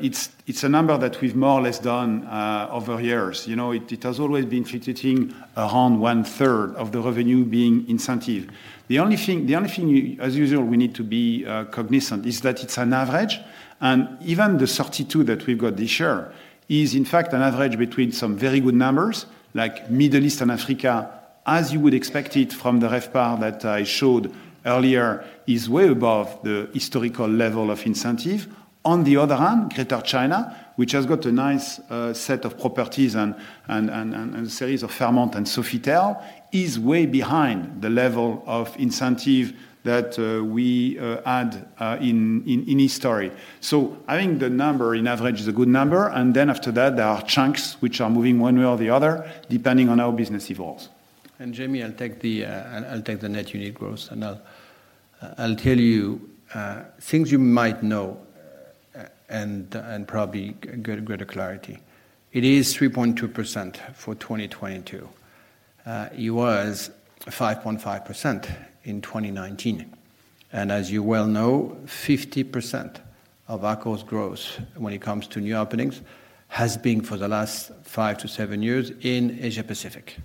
it's a number that we've more or less done over years. You know, it has always been fluctuating around one-third of the revenue being incentive. The only thing we, as usual, we need to be cognizant is that it's an average, and even the 32 that we've got this year is in fact an average between some very good numbers, like Middle East and Africa, as you would expect it from the RevPAR that I showed earlier, is way above the historical level of incentive. On the other hand, Greater China, which has got a nice set of properties and series of Fairmont and Sofitel, is way behind the level of incentive that we had in history. I think the number in average is a good number, and then after that, there are chunks which are moving one way or the other, depending on how business evolves. Jamie, I'll take the net unit growth. I'll tell you things you might know and probably get greater clarity. It is 3.2% for 2022. It was 5.5% in 2019. As you well know, 50% of Accor's growth when it comes to new openings has been for the last 5-7 years in Asia-Pacific.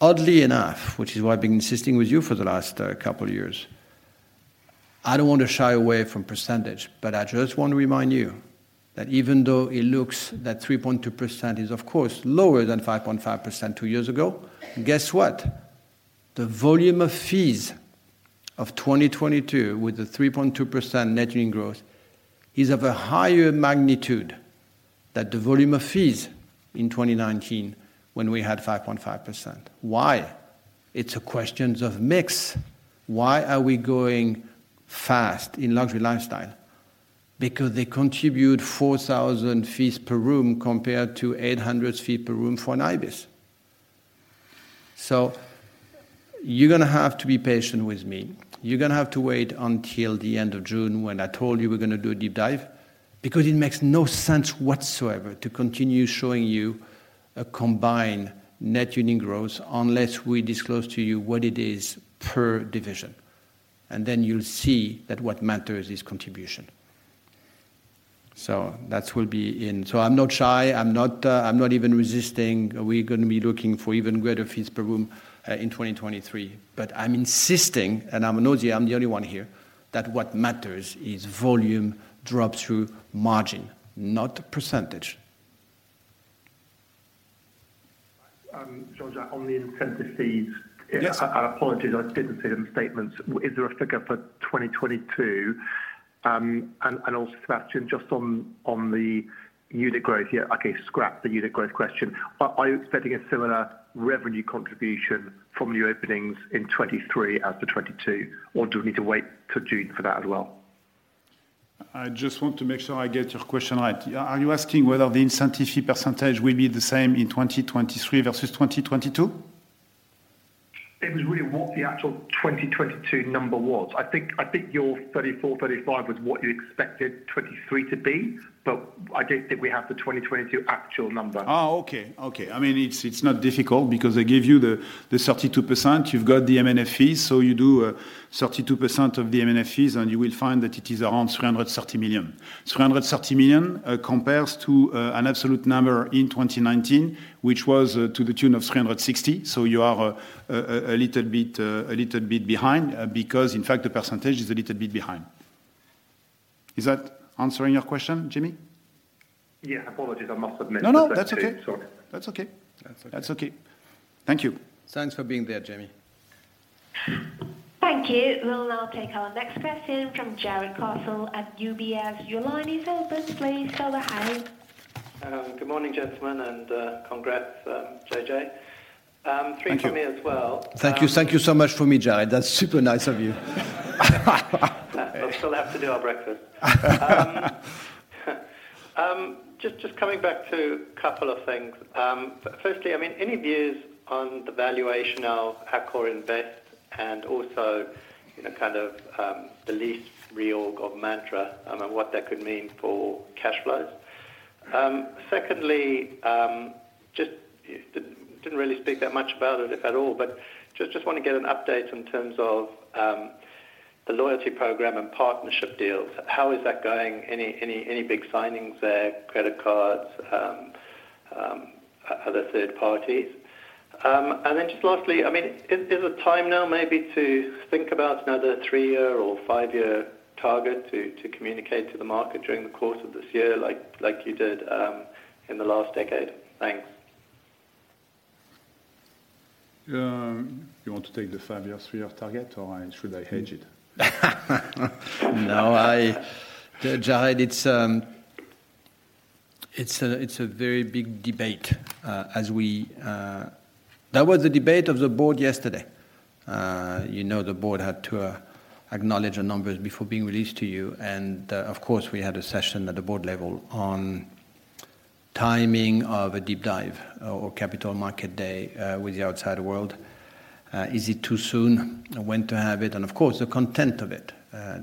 Oddly enough, which is why I've been insisting with you for the last couple years, I don't want to shy away from percentage, but I just want to remind you that even though it looks that 3.2% is of course lower than 5.5% two years ago, guess what? The volume of fees of 2022 with the 3.2% net unit growth is of a higher magnitude than the volume of fees in 2019 when we had 5.5%. Why? It's a question of mix. Why are we going fast in luxury lifestyle? They contribute 4,000 fees per room compared to 800 fees per room for an ibis. You're gonna have to be patient with me. You're gonna have to wait until the end of June when I told you we're gonna do a deep dive because it makes no sense whatsoever to continue showing you a combined net unit growth unless we disclose to you what it is per division. You'll see that what matters is contribution. So that will be in. I'm not shy. I'm not, I'm not even resisting. We're gonna be looking for even greater fees per room, in 2023. I'm insisting, and I know I'm the only one here, that what matters is volume drop through margin, not percentage. Jean, on the incentive fees. Yes. I apologize, I didn't see the statements. Is there a figure for 2022? Also Sebastien, just on the unit growth here. Okay, scrap the unit growth question. Are you expecting a similar revenue contribution from new openings in 2023 as for 2022, or do we need to wait till June for that as well? I just want to make sure I get your question right. Are you asking whether the incentive fee percent will be the same in 2023 versus 2022? It was really what the actual 2022 number was. I think your 34, 35 was what you expected 2023 to be, I don't think we have the 2022 actual number. Oh, okay. Okay. I mean, it's not difficult because I gave you the 32%. You've got the M&F fees, so you do, 32% of the M&F fees, and you will find that it is around 330 million. 330 million compares to an absolute number in 2019, which was to the tune of 360 million. You are a little bit, a little bit behind, because in fact the percentage is a little bit behind. Is that answering your question, Jamie? Yeah. Apologies, I must admit. No, no, that's okay. Sorry. That's okay. That's okay. That's okay. Thank you. Thanks for being there, Jamie. Thank you. We'll now take our next question from Jarrod Castle at UBS. Your line is open, please go ahead. Good morning, gentlemen, and congrats, J.J. Thank you. Three from me as well. Thank you. Thank you so much for me, Jarrod. That's super nice of you. I still have to do our breakfast. Just coming back to a couple of things. Firstly, I mean, any views on the valuation of AccorInvest and also, you know, kind of, the lease reorg of Mantra and what that could mean for cash flows? Secondly, you didn't really speak that much about it at all, but just want to get an update in terms of, the loyalty program and partnership deals. How is that going? Any big signings there, credit cards, other third parties? Just lastly, I mean, is it time now maybe to think about another three-year or five-year target to communicate to the market during the course of this year like you did in the last decade? Thanks. You want to take the five-year, three-year target or should I hedge it? No, I Jarrod, it's a very big debate as we. That was the debate of the board yesterday. You know, the board had to acknowledge the numbers before being released to you. Of course, we had a session at the board level on timing of a deep dive or capital market day with the outside world. Is it too soon? When to have it? Of course, the content of it,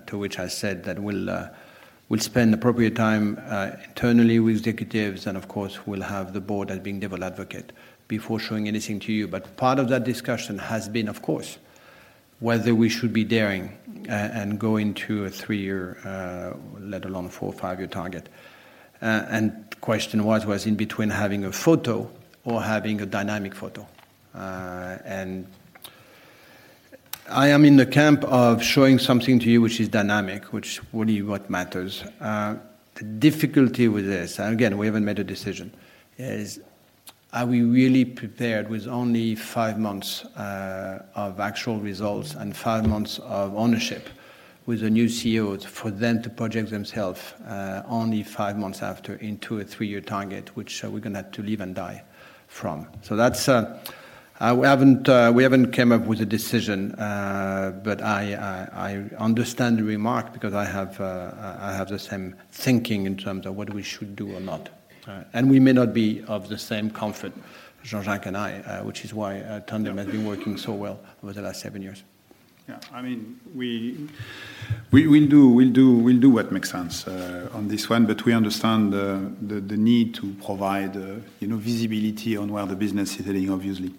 to which I said that we'll spend appropriate time internally with executives, and of course, we'll have the board as being devil's advocate before showing anything to you. Part of that discussion has been, of course, whether we should be daring and going to a three-year, let alone four or five-year target. The question was in between having a photo or having a dynamic photo. I am in the camp of showing something to you which is dynamic, which really what matters. The difficulty with this, again, we haven't made a decision, is are we really prepared with only five months of actual results and five months of ownership with the new CEOs for them to project themselves only five months after into a three-year target, which we're gonna have to live and die from. That's, we haven't, we haven't came up with a decision. I understand the remark because I have the same thinking in terms of what we should do or not. We may not be of the same comfort, Jean-Jacques and I, which is why tandem has been working so well over the last seven years. I mean, we'll do what makes sense on this one. We understand the need to provide, you know, visibility on where the business is heading, obviously.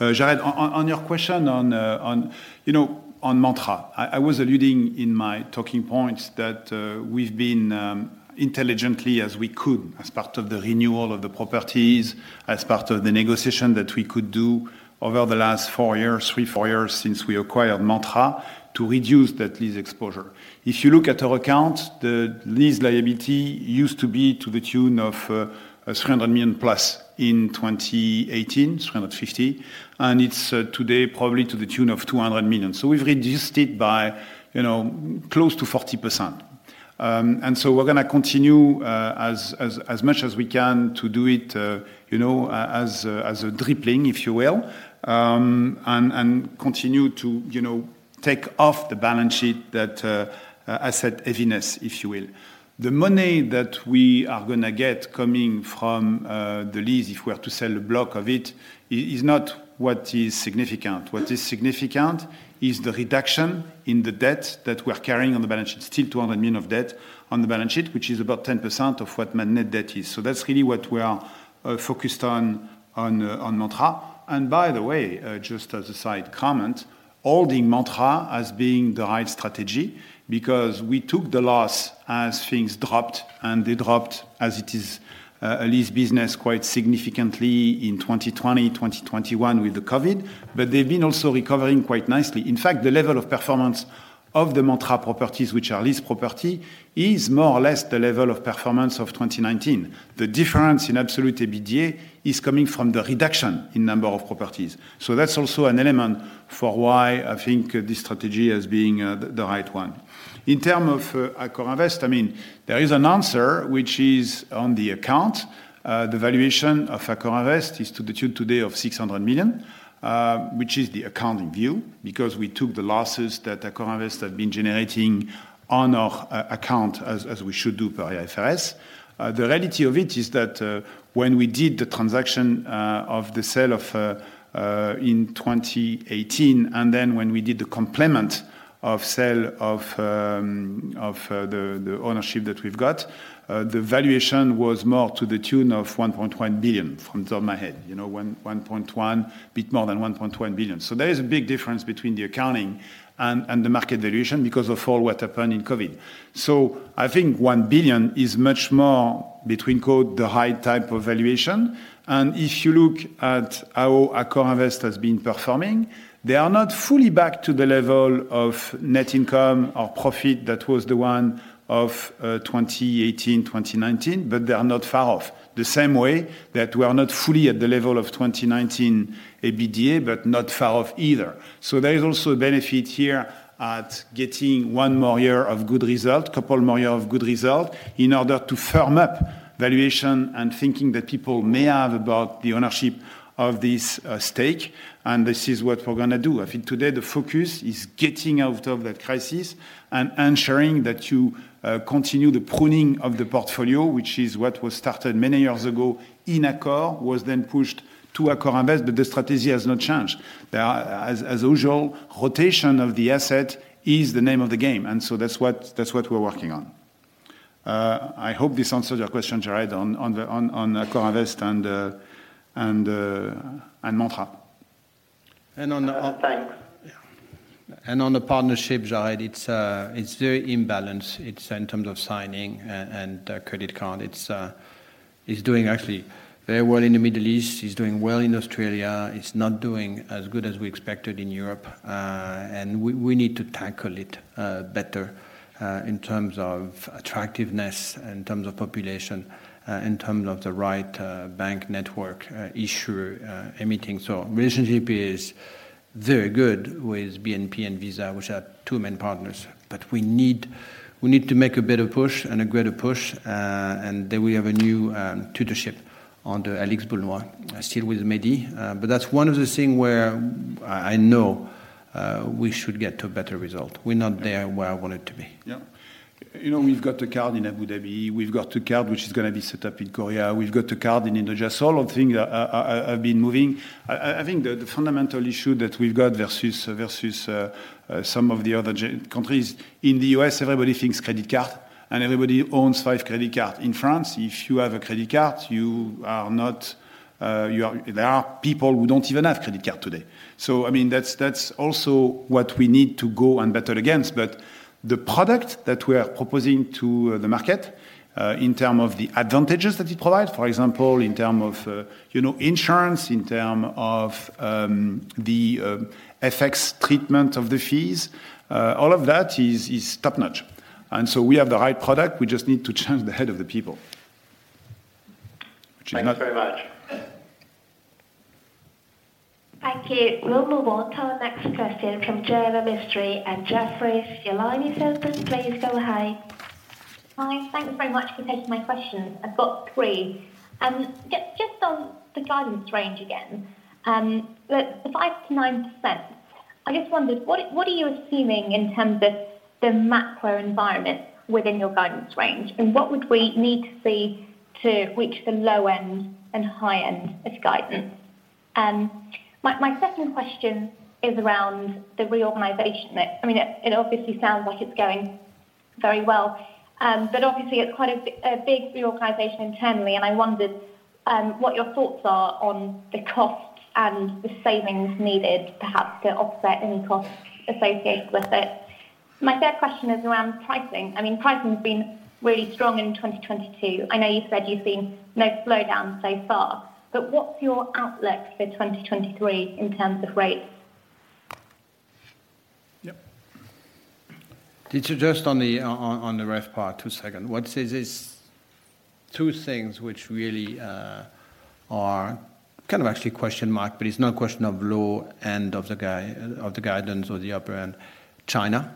Jarrod, on your question on, you know, on Mantra, I was alluding in my talking points that we've been intelligently as we could as part of the renewal of the properties, as part of the negotiation that we could do over the last four years, 3-4 years since we acquired Mantra, to reduce that lease exposure. If you look at our accounts, the lease liability used to be to the tune of 300+ million in 2018, 350, and it's today probably to the tune of 200 million. We've reduced it by, you know, close to 40%. We're gonna continue as much as we can to do it, you know, as a dribbling, if you will. And continue to, you know, take off the balance sheet that asset heaviness, if you will. The money that we are gonna get coming from the lease if we are to sell a block of it is not what is significant. What is significant is the reduction in the debt that we're carrying on the balance sheet. Still 200 million of debt on the balance sheet, which is about 10% of what net debt is. That's really what we are focused on Mantra. By the way, just as a side comment, holding Mantra as being the right strategy because we took the loss as things dropped, and they dropped as it is, a lease business quite significantly in 2020, 2021 with the Covid. They've been also recovering quite nicely. In fact, the level of performance of the Mantra properties, which are lease property, is more or less the level of performance of 2019. The difference in absolute EBITDA is coming from the reduction in number of properties. That's also an element for why I think this strategy as being the right one. In term of AccorInvest, there is an answer which is on the account. The valuation of AccorInvest is to the tune today of 600 million, which is the accounting view, because we took the losses that AccorInvest had been generating on our account, as we should do per IFRS. The reality of it is that when we did the transaction of the sale in 2018, then when we did the complement of sale of the ownership that we've got, the valuation was more to the tune of 1.1 billion from the top of my head. You know, 1.1, bit more than 1.1 billion. There is a big difference between the accounting and the market valuation because of all what happened in Covid. I think 1 billion is much more, between quote, "the high type of valuation." If you look at how AccorInvest has been performing, they are not fully back to the level of net income or profit that was the one of 2018, 2019, but they are not far off. The same way that we are not fully at the level of 2019 EBITDA, but not far off either. There is also a benefit here at getting one more year of good result, couple more year of good result, in order to firm up valuation and thinking that people may have about the ownership of this stake, and this is what we're gonna do. I think today the focus is getting out of that crisis and ensuring that you continue the pruning of the portfolio, which is what was started many years ago in Accor, was then pushed to AccorInvest, but the strategy has not changed. As usual, rotation of the asset is the name of the game. That's what we're working on. I hope this answers your question, Jarrod, on AccorInvest and Mantra. Thanks. Yeah. On the partnership, Jarrod, it's very imbalanced. It's in terms of signing and credit card. It's doing actually very well in the Middle East. It's doing well in Australia. It's not doing as good as we expected in Europe. We need to tackle it better in terms of attractiveness, in terms of population, in terms of the right bank network, issuer, emitting. Relationship is very good with BNP and Visa, which are two main partners. We need to make a better push and a greater push, we have a new tutorship under Alix Boulnois, still with Medi. That's one of the thing where I know we should get to a better result. We're not there where I want it to be. Yeah. You know, we've got a card in Abu Dhabi. We've got a card which is gonna be set up in Korea. We've got a card in Indonesia. All of thing have been moving. I think the fundamental issue that we've got versus, some of the other countries, in the U.S., everybody thinks credit card, and everybody owns five credit card. In France, if you have a credit card, you are not, there are people who don't even have credit card today. I mean, that's also what we need to go and battle against. The product that we are proposing to the market in terms of the advantages that it provides, for example, in terms of, you know, insurance, in terms of the FX treatment of the fees, all of that is top-notch. We have the right product. We just need to change the head of the people. Thank you very much. Thank you. We'll move on to our next question from Jaina Mistry at Jefferies. Your line is open. Please go ahead. Hi. Thank you very much for taking my questions. I've got three. Just on the guidance range again. The 5%-9%, I just wondered, what are you assuming in terms of the macro environment within your guidance range? What would we need to see to reach the low end and high end of guidance? My second question is around the reorganization. I mean, it obviously sounds like it's going very well. But obviously it's quite a big reorganization internally, and I wondered, what your thoughts are on the costs and the savings needed perhaps to offset any costs associated with it. My third question is around pricing. I mean, pricing's been really strong in 2022. I know you said you've seen no slowdown so far, what's your outlook for 2023 in terms of rates? Yep. Did you just on the, on the RevPAR 2 second. What is this. Two things which really are kind of actually question mark, but it's not a question of low end of the guidance or the upper end. China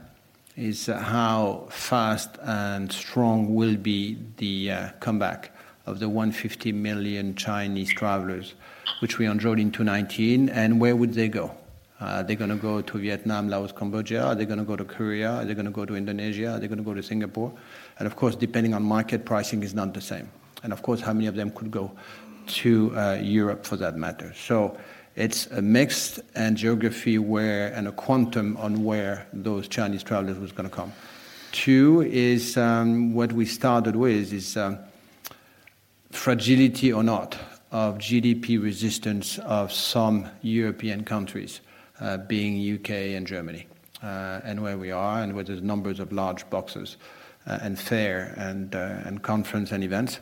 is how fast and strong will be the comeback of the 150 million Chinese travelers which we enjoyed in 2019, where would they go? Are they gonna go to Vietnam, Laos, Cambodia? Are they gonna go to Korea? Are they gonna go to Indonesia? Are they gonna go to Singapore? Of course, depending on market pricing is not the same. Of course, how many of them could go to Europe for that matter? It's a mix and geography where and a quantum on where those Chinese travelers was gonna come. Two is, what we started with is, fragility or not of GDP resistance of some European countries, being U.K. and Germany, and where we are and where there's numbers of large boxes, and fair and conference and events.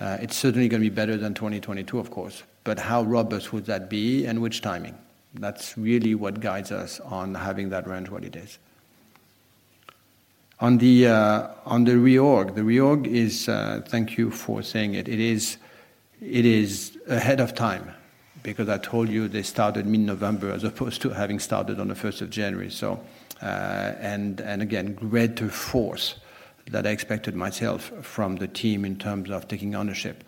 It's certainly gonna be better than 2022, of course, but how robust would that be and which timing? That's really what guides us on having that range what it is. On the reorg. The reorg is, thank you for saying it. It is, it is ahead of time because I told you they started mid-November as opposed to having started on the first of January. Again, greater force that I expected myself from the team in terms of taking ownership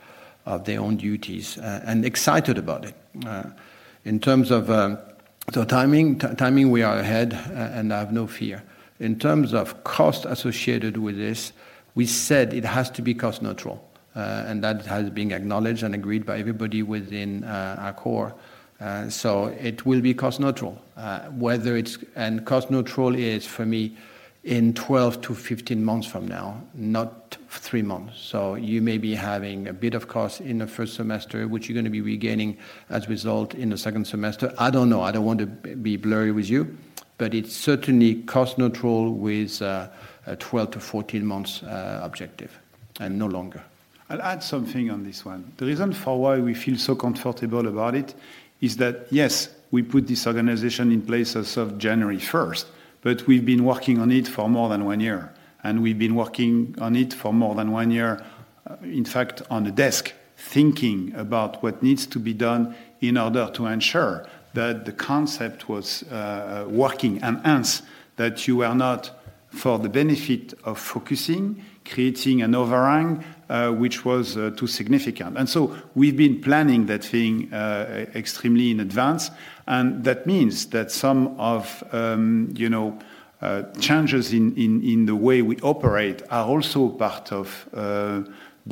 of their own duties, and excited about it. In terms of the timing, we are ahead, and I have no fear. In terms of cost associated with this, we said it has to be cost neutral, and that has been acknowledged and agreed by everybody within Accor. It will be cost neutral. Cost neutral is for me in 12-15 months from now, not three months. You may be having a bit of cost in the first semester, which you're gonna be regaining as a result in the second semester. I don't know. I don't want to be blurry with you, but it's certainly cost neutral with a 12-14 months objective and no longer. I'll add something on this one. The reason for why we feel so comfortable about it is that, yes, we put this organization in place as of January first. We've been working on it for more than one year, and we've been working on it for more than one year, in fact, on the desk thinking about what needs to be done in order to ensure that the concept was working and hence that you are not for the benefit of focusing, creating an overhang, which was too significant. We've been planning that thing extremely in advance. That means that some of, you know, changes in the way we operate are also part of, the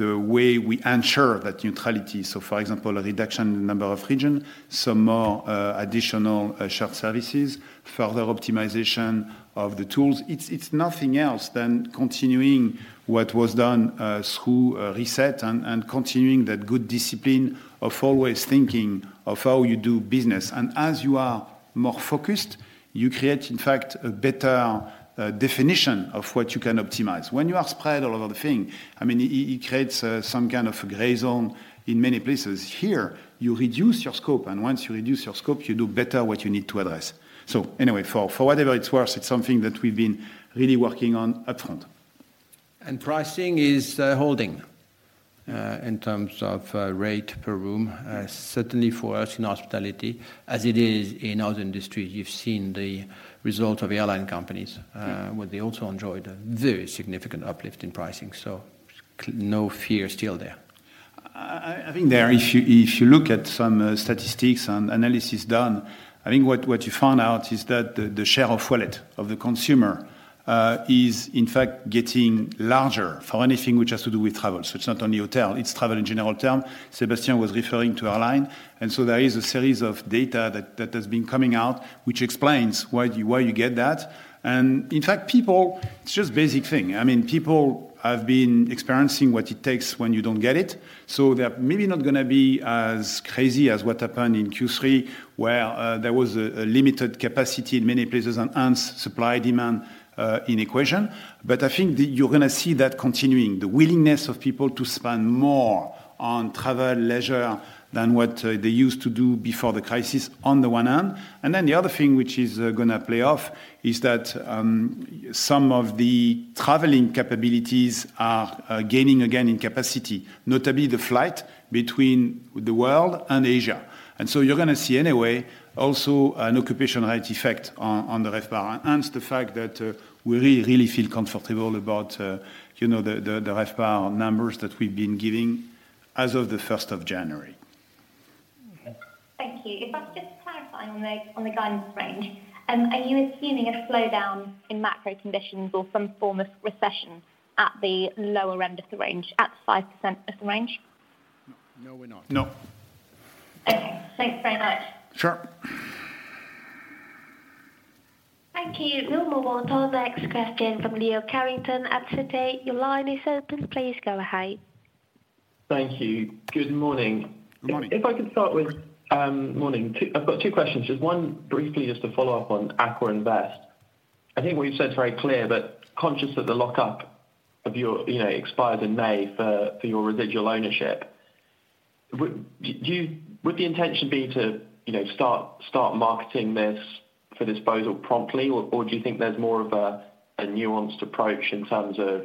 way we ensure that neutrality. For example, a reduction in number of region, some more additional short services, further optimization of the tools. It's nothing else than continuing what was done through reset and continuing that good discipline of always thinking of how you do business. As you are more focused, you create, in fact, a better definition of what you can optimize. When you are spread all over the thing, I mean, it creates some kind of a gray zone in many places. Here, you reduce your scope, and once you reduce your scope, you do better what you need to address. Anyway, for whatever it's worth, it's something that we've been really working on upfront. Pricing is holding in terms of rate per room. Certainly for us in hospitality, as it is in other industry, you've seen the result of airline companies, where they also enjoyed a very significant uplift in pricing. No fear still there. I think there if you look at some statistics and analysis done, I think what you found out is that the share of wallet of the consumer is in fact getting larger for anything which has to do with travel. It's not only hotel, it's travel in general term. Sébastien was referring to airline. There is a series of data that has been coming out which explains why you get that. In fact, it's just basic thing. I mean, people have been experiencing what it takes when you don't get it, so they're maybe not gonna be as crazy as what happened in Q3, where there was a limited capacity in many places and hence supply-demand in equation. I think that you're gonna see that continuing, the willingness of people to spend more on travel, leisure than what they used to do before the crisis on the one hand. The other thing which is gonna play off is that some of the traveling capabilities are gaining again in capacity, notably the flight between the world and Asia. You're gonna see anyway also an occupation rate effect on the RevPAR and hence the fact that we really, really feel comfortable about, you know, the RevPAR numbers that we've been giving as of the first of January. Okay. Thank you. If I was just clarifying on the guidance range, are you assuming a slowdown in macro conditions or some form of recession at the lower end of the range, at 5% of the range? No, we're not. No. Okay. Thanks very much. Sure. Thank you. We'll move on to our next question from Leo Carrington at Citi. Your line is open. Please go ahead. Thank you. Good morning. Morning. If I could start with. Morning. I've got two questions. Just one briefly just to follow up on AccorInvest. I think what you've said is very clear, but conscious that the lockup of your, you know, expires in May for your residual ownership, would the intention be to, you know, start marketing this for disposal promptly or do you think there's more of a nuanced approach in terms of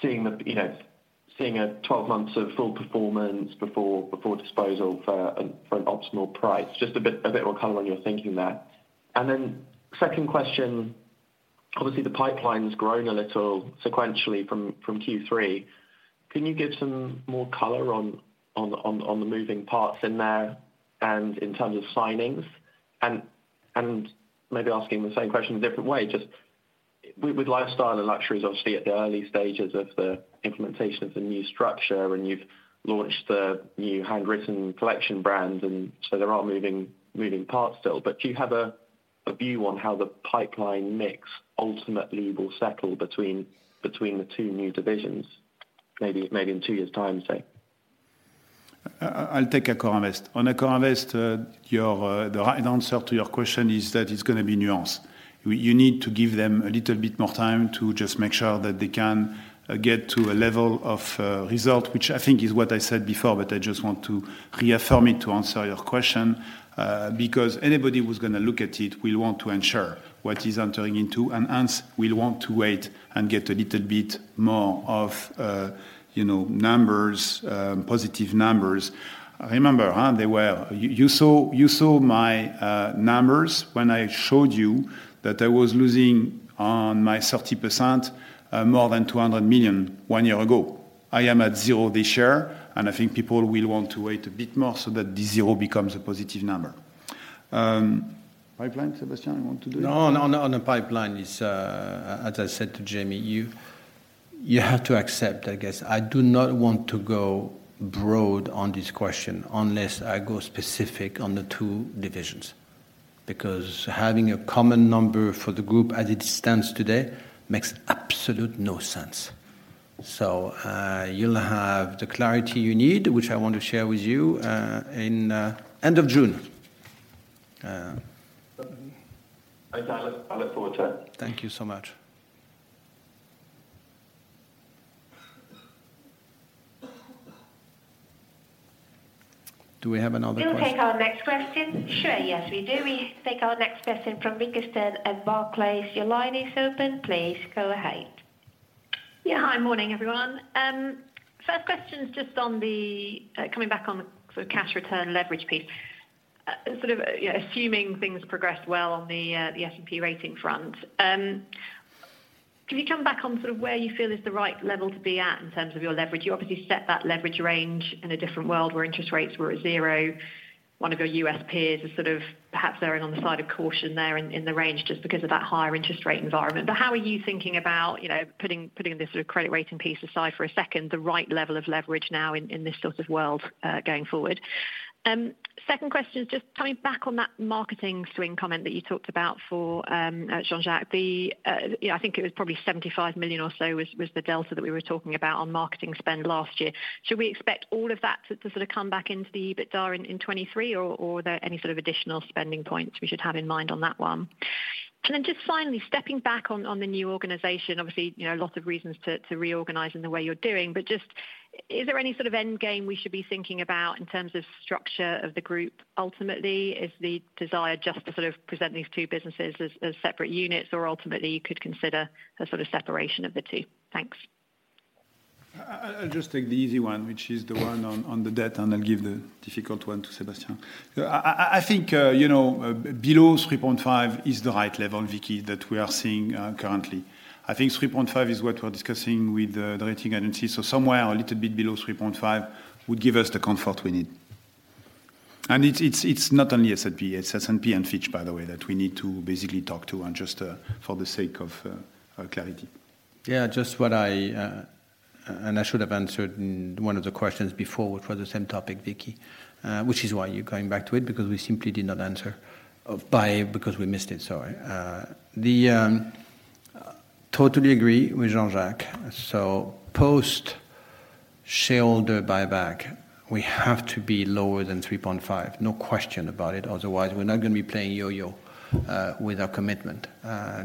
seeing a twelve months of full performance before disposal for an optimal price? Just a bit more color on your thinking there. Second question, obviously the pipeline's grown a little sequentially from Q3. Can you give some more color on the moving parts in there and in terms of signings? Maybe asking the same question a different way, just with lifestyle and luxury is obviously at the early stages of the implementation of the new structure, and you've launched the new Handwritten Collection brand, and so there are moving parts still. Do you have a view on how the pipeline mix ultimately will settle between the two new divisions, maybe in 2 years' time, say? I'll take AccorInvest. The right answer to your question is that it's gonna be nuanced. You need to give them a little bit more time to just make sure that they can get to a level of result, which I think is what I said before, but I just want to reaffirm it to answer your question. Anybody who's gonna look at it will want to ensure what he's entering into, and hence will want to wait and get a little bit more of, you know, numbers, positive numbers. Remember, huh, they were. You saw my numbers when I showed you that I was losing on my 30%, more than 200 million one year ago. I am at zero this year. I think people will want to wait a bit more so that this zero becomes a positive number. Pipeline, Sébastien, you want to do it? No, on the pipeline is, as I said to Jamie, you have to accept, I guess. I do not want to go broad on this question unless I go specific on the two divisions. Because having a common number for the group as it stands today makes absolute no sense. You'll have the clarity you need, which I want to share with you, in end of June. I look forward to it. Thank you so much. Do we have another question? We'll take our next question. Sure, yes, we do. We take our next question from Vicki Stern at Barclays. Your line is open. Please go ahead. Yeah. Hi. Morning, everyone. First question is just on the coming back on the sort of cash return leverage piece. Assuming things progress well on the S&P rating front, can you come back on sort of where you feel is the right level to be at in terms of your leverage? You obviously set that leverage range in a different world where interest rates were at zero. One of your U.S. peers is sort of perhaps erring on the side of caution there in the range just because of that higher interest rate environment. How are you thinking about, you know, putting this sort of credit rating piece aside for a second, the right level of leverage now in this sort of world going forward? Second question is just coming back on that marketing swing comment that you talked about for Jean-Jacques. You know, I think it was probably 75 million or so was the delta that we were talking about on marketing spend last year. Should we expect all of that to sort of come back into the EBITDA in 2023, or are there any sort of additional spending points we should have in mind on that one? Just finally, stepping back on the new organization, obviously, you know, lots of reasons to reorganize in the way you're doing. Just is there any sort of end game we should be thinking about in terms of structure of the group ultimately? Is the desire just to sort of present these two businesses as separate units or ultimately you could consider a sort of separation of the two? Thanks. I'll just take the easy one, which is the one on the debt, and I'll give the difficult one to Sébastien. I think, you know, below 3.5 is the right level, Vicki, that we are seeing currently. I think 3.5 is what we're discussing with the rating agencies. Somewhere a little bit below 3.5 would give us the comfort we need. It's not only S&P, it's S&P and Fitch, by the way, that we need to basically talk to and just for the sake of clarity. Yeah, just what I, and I should have answered in one of the questions before for the same topic, Vicky, which is why you're coming back to it, because we simply did not answer, because we missed it, sorry. Totally agree with Jean-Jacques. Post shareholder buyback, we have to be lower than 3.5, no question about it. Otherwise, we're not gonna be playing yo-yo with our commitment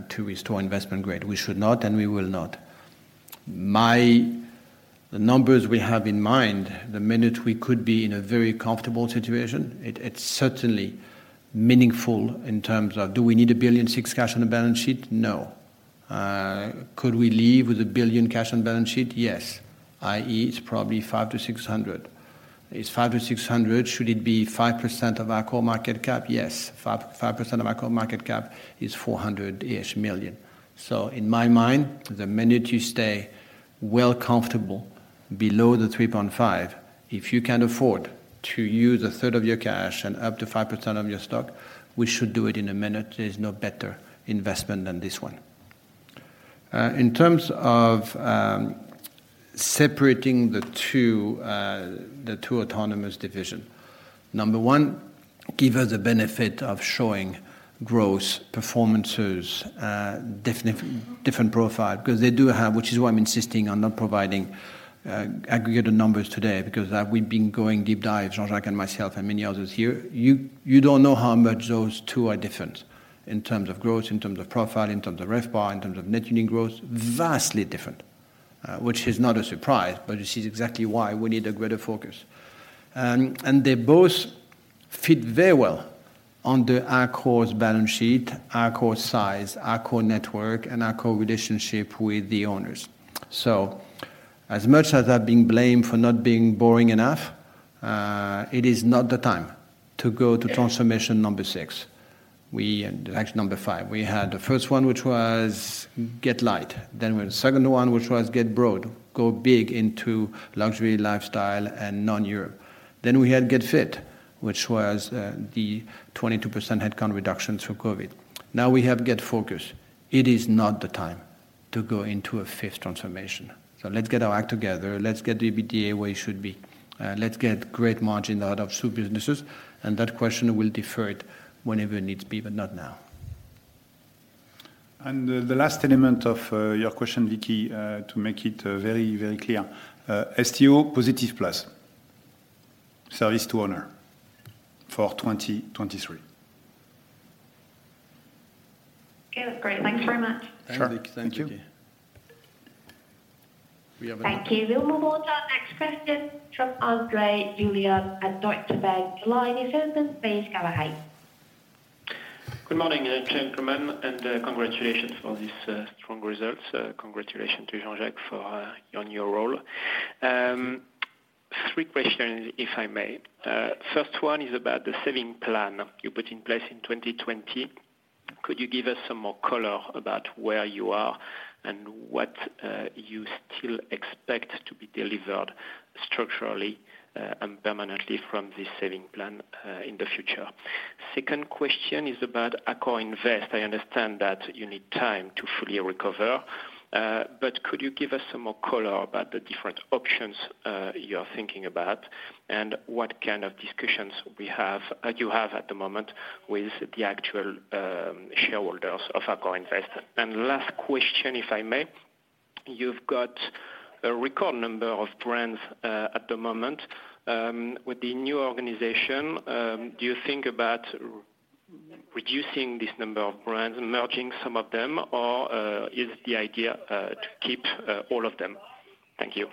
to restore investment-grade. We should not, and we will not. The numbers we have in mind, the minute we could be in a very comfortable situation, it's certainly meaningful in terms of do we need 1.6 billion cash on the balance sheet? No. Could we leave with 1 billion cash on balance sheet? Yes. i.e., it's probably 500-600 million. It's 500 million-600 million. Should it be 5% of our core market cap? Yes. 5% of our core market cap is 400 million-ish. In my mind, the minute you stay well comfortable below the 3.5, if you can afford to use a third of your cash and up to 5% of your stock, we should do it in a minute. There's no better investment than this one. In terms of separating the two, the two autonomous division. Number 1, give us the benefit of showing growth, performances, different profile. Because they do have, which is why I'm insisting on not providing aggregated numbers today because we've been going deep dive, Jean-Jacques and myself and many others here. You don't know how much those two are different in terms of growth, in terms of profile, in terms of RevPAR, in terms of net unit growth. Vastly different. Which is not a surprise, but this is exactly why we need a greater focus. They both fit very well under Accor's balance sheet, Accor's size, Accor network and Accor relationship with the owners. As much as I've been blamed for not being boring enough, it is not the time to go to transformation number six. Actually number five. We had the first one, which was get light. The second one, which was get broad, go big into luxury lifestyle and non-Europe. We had get fit, which was the 22% head count reduction through COVID. Now we have get focus. It is not the time to go into a fifth transformation. Let's get our act together. Let's get the EBITDA where it should be. Let's get great margin out of soup businesses, and that question, we'll defer it whenever it needs be, but not now. The last element of your question, Vicki, to make it very, very clear, STO positive plus service to owner for 2023. Okay, that's great. Thanks very much. Sure. Thanks, Vicki. Thank you. Thank you. We'll move on to our next question from André Juillard at Deutsche Bank. Your line is open. Please go ahead. Good morning, gentlemen, congratulations for this strong results. Congratulations to Jean-Jacques for on your role. Three questions, if I may. First one is about the saving plan you put in place in 2020. Could you give us some more color about where you are and what you still expect to be delivered structurally and permanently from this saving plan in the future? Second question is about AccorInvest. I understand that you need time to fully recover, but could you give us some more color about the different options you're thinking about and what kind of discussions you have at the moment with the actual shareholders of AccorInvest? Last question, if I may. You've got a record number of brands at the moment. With the new organization, do you think about reducing this number of brands and merging some of them or is the idea to keep all of them? Thank you.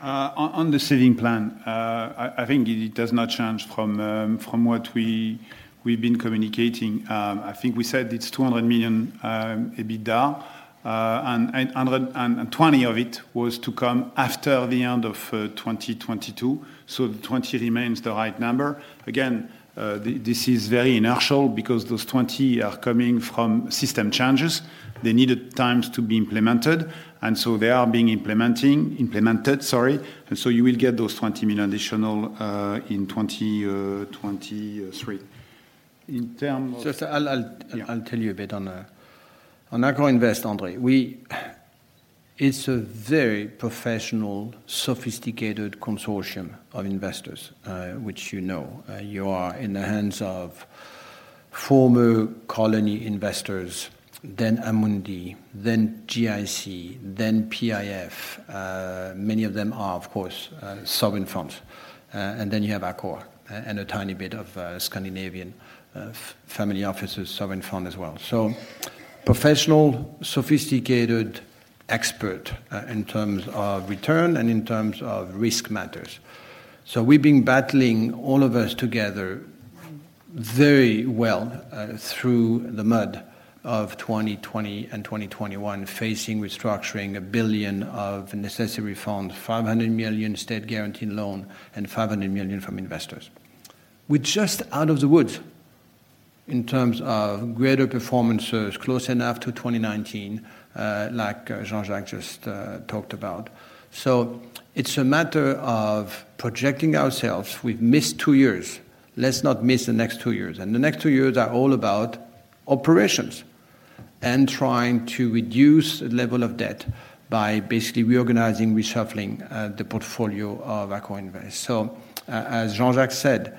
On the saving plan, I think it does not change from what we've been communicating. I think we said it's 200 million EBITDA, and 120 million of it was to come after the end of 2022. 20 remains the right number. Again, this is very inertial because those 20 are coming from system changes. They needed times to be implemented, they are being implemented, sorry. You will get those 20 million additional in 2023. Just I'll. Yeah. I'll tell you a bit on AccorInvest, Andre. It's a very professional, sophisticated consortium of investors, which you know. You are in the hands of former Colony investors, then Amundi, then GIC, then PIF. Many of them are, of course, sovereign funds. You have Accor and a tiny bit of Scandinavian family offices, sovereign fund as well. Professional, sophisticated expert in terms of return and in terms of risk matters. We've been battling all of us together very well through the mud of 2020 and 2021, facing restructuring 1 billion of necessary funds, 500 million state guaranteed loan and 500 million from investors. We're just out of the woods in terms of greater performances, close enough to 2019, like Jean-Jacques just talked about. It's a matter of projecting ourselves. We've missed two years. Let's not miss the next two years. The next two years are all about operations and trying to reduce the level of debt by basically reorganizing, reshuffling, the portfolio of AccorInvest. As Jean-Jacques said,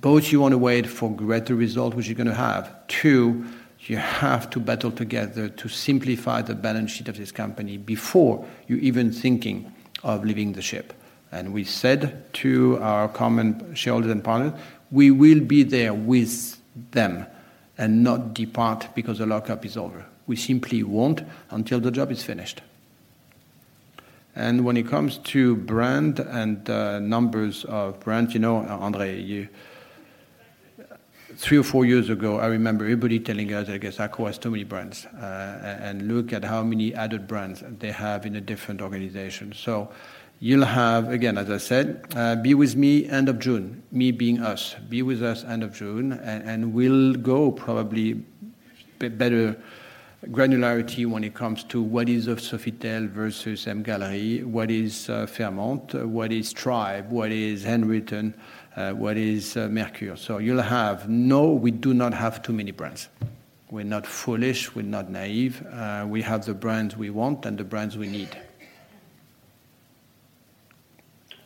both you wanna wait for greater result, which you're gonna have. Two, you have to battle together to simplify the balance sheet of this company before you even thinking of leaving the ship. We said to our common shareholders and partners, we will be there with them and not depart because the lockup is over. We simply won't until the job is finished. When it comes to brand and numbers of brands, you know, Andre, three or four years ago, I remember everybody telling us, I guess Accor has too many brands. Look at how many added brands they have in a different organization. You'll have, again, as I said, be with me end of June, me being us. Be with us end of June, we'll go probably better granularity when it comes to what is a Sofitel versus MGallery, what is Fairmont, what is Tribe, what is Handwritten, what is Mercure. You'll have. No, we do not have too many brands. We're not foolish. We're not naive. We have the brands we want and the brands we need.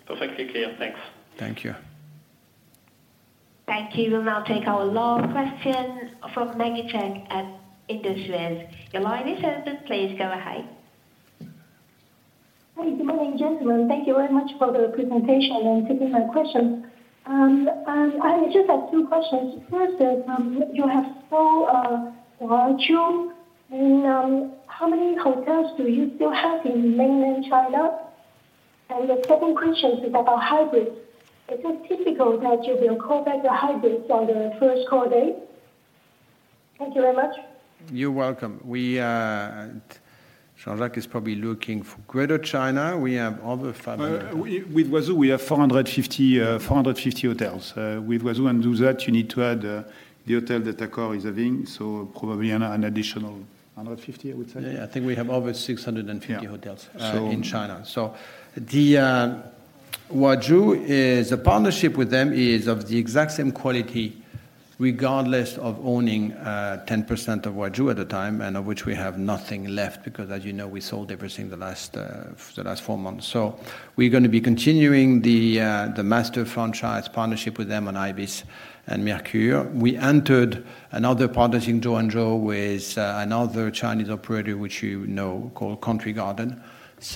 Perfectly clear. Thanks. Thank you. Thank you. We'll now take our last question from Megha Karbhari at IndusInd. Your line is open. Please go ahead. Hi, good morning, gentlemen. Thank you very much for the presentation and taking my questions. I just have two questions. First is, you have sold Huazhu, and, how many hotels do you still have in mainland China? The second question is about hybrids. Is it typical that you will call back the hybrids on the first call date? Thank you very much. You're welcome. Jean-Jacques is probably looking. For Greater China, we have over. We, with Huazhu, we have 450 hotels. With Huazhu and Dusit, you need to add the hotel that Accor is having, so probably an additional 150, I would say. Yeah, I think we have over 650 hotels in China. The Huazhu is a partnership with them, is of the exact same quality regardless of owning 10% of Huazhu at the time, and of which we have nothing left because, as you know, we sold everything the last four months. We're gonna be continuing the master franchise partnership with them on ibis and Mercure. We entered another partnership in JO&JOE with another Chinese operator which you know called Country Garden.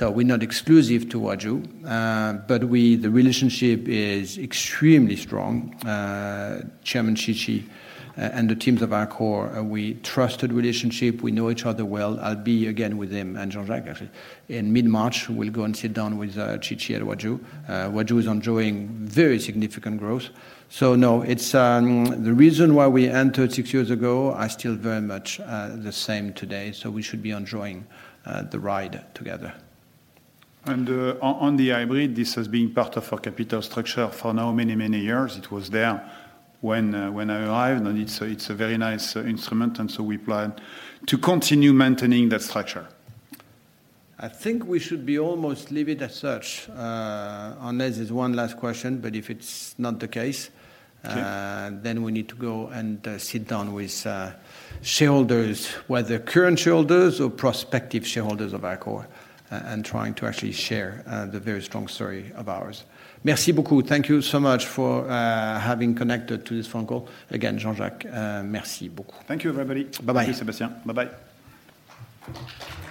We're not exclusive to Huazhu, but the relationship is extremely strong. Chairman Qi Ji and the teams of Accor, we trusted relationship. We know each other well. I'll be again with him and Jean-Jacques actually. In mid-March, we'll go and sit down with Qi Ji at Huazhu. Huazhu is enjoying very significant growth. No, it's the reason why we entered six years ago are still very much the same today, so we should be enjoying the ride together. On the hybrid, this has been part of our capital structure for now many years. It was there when I arrived, and it's a very nice instrument, and so we plan to continue maintaining that structure. I think we should be almost leave it as such, unless there's one last question, but if it's not the case, we need to go and sit down with shareholders, whether current shareholders or prospective shareholders of Accor, and trying to actually share the very strong story of ours. Merci beaucoup. Thank you so much for having connected to this phone call. Again, Jean-Jacques, merci beaucoup. Thank you, everybody. Bye-bye. Thank you, Sebastien. Bye-bye.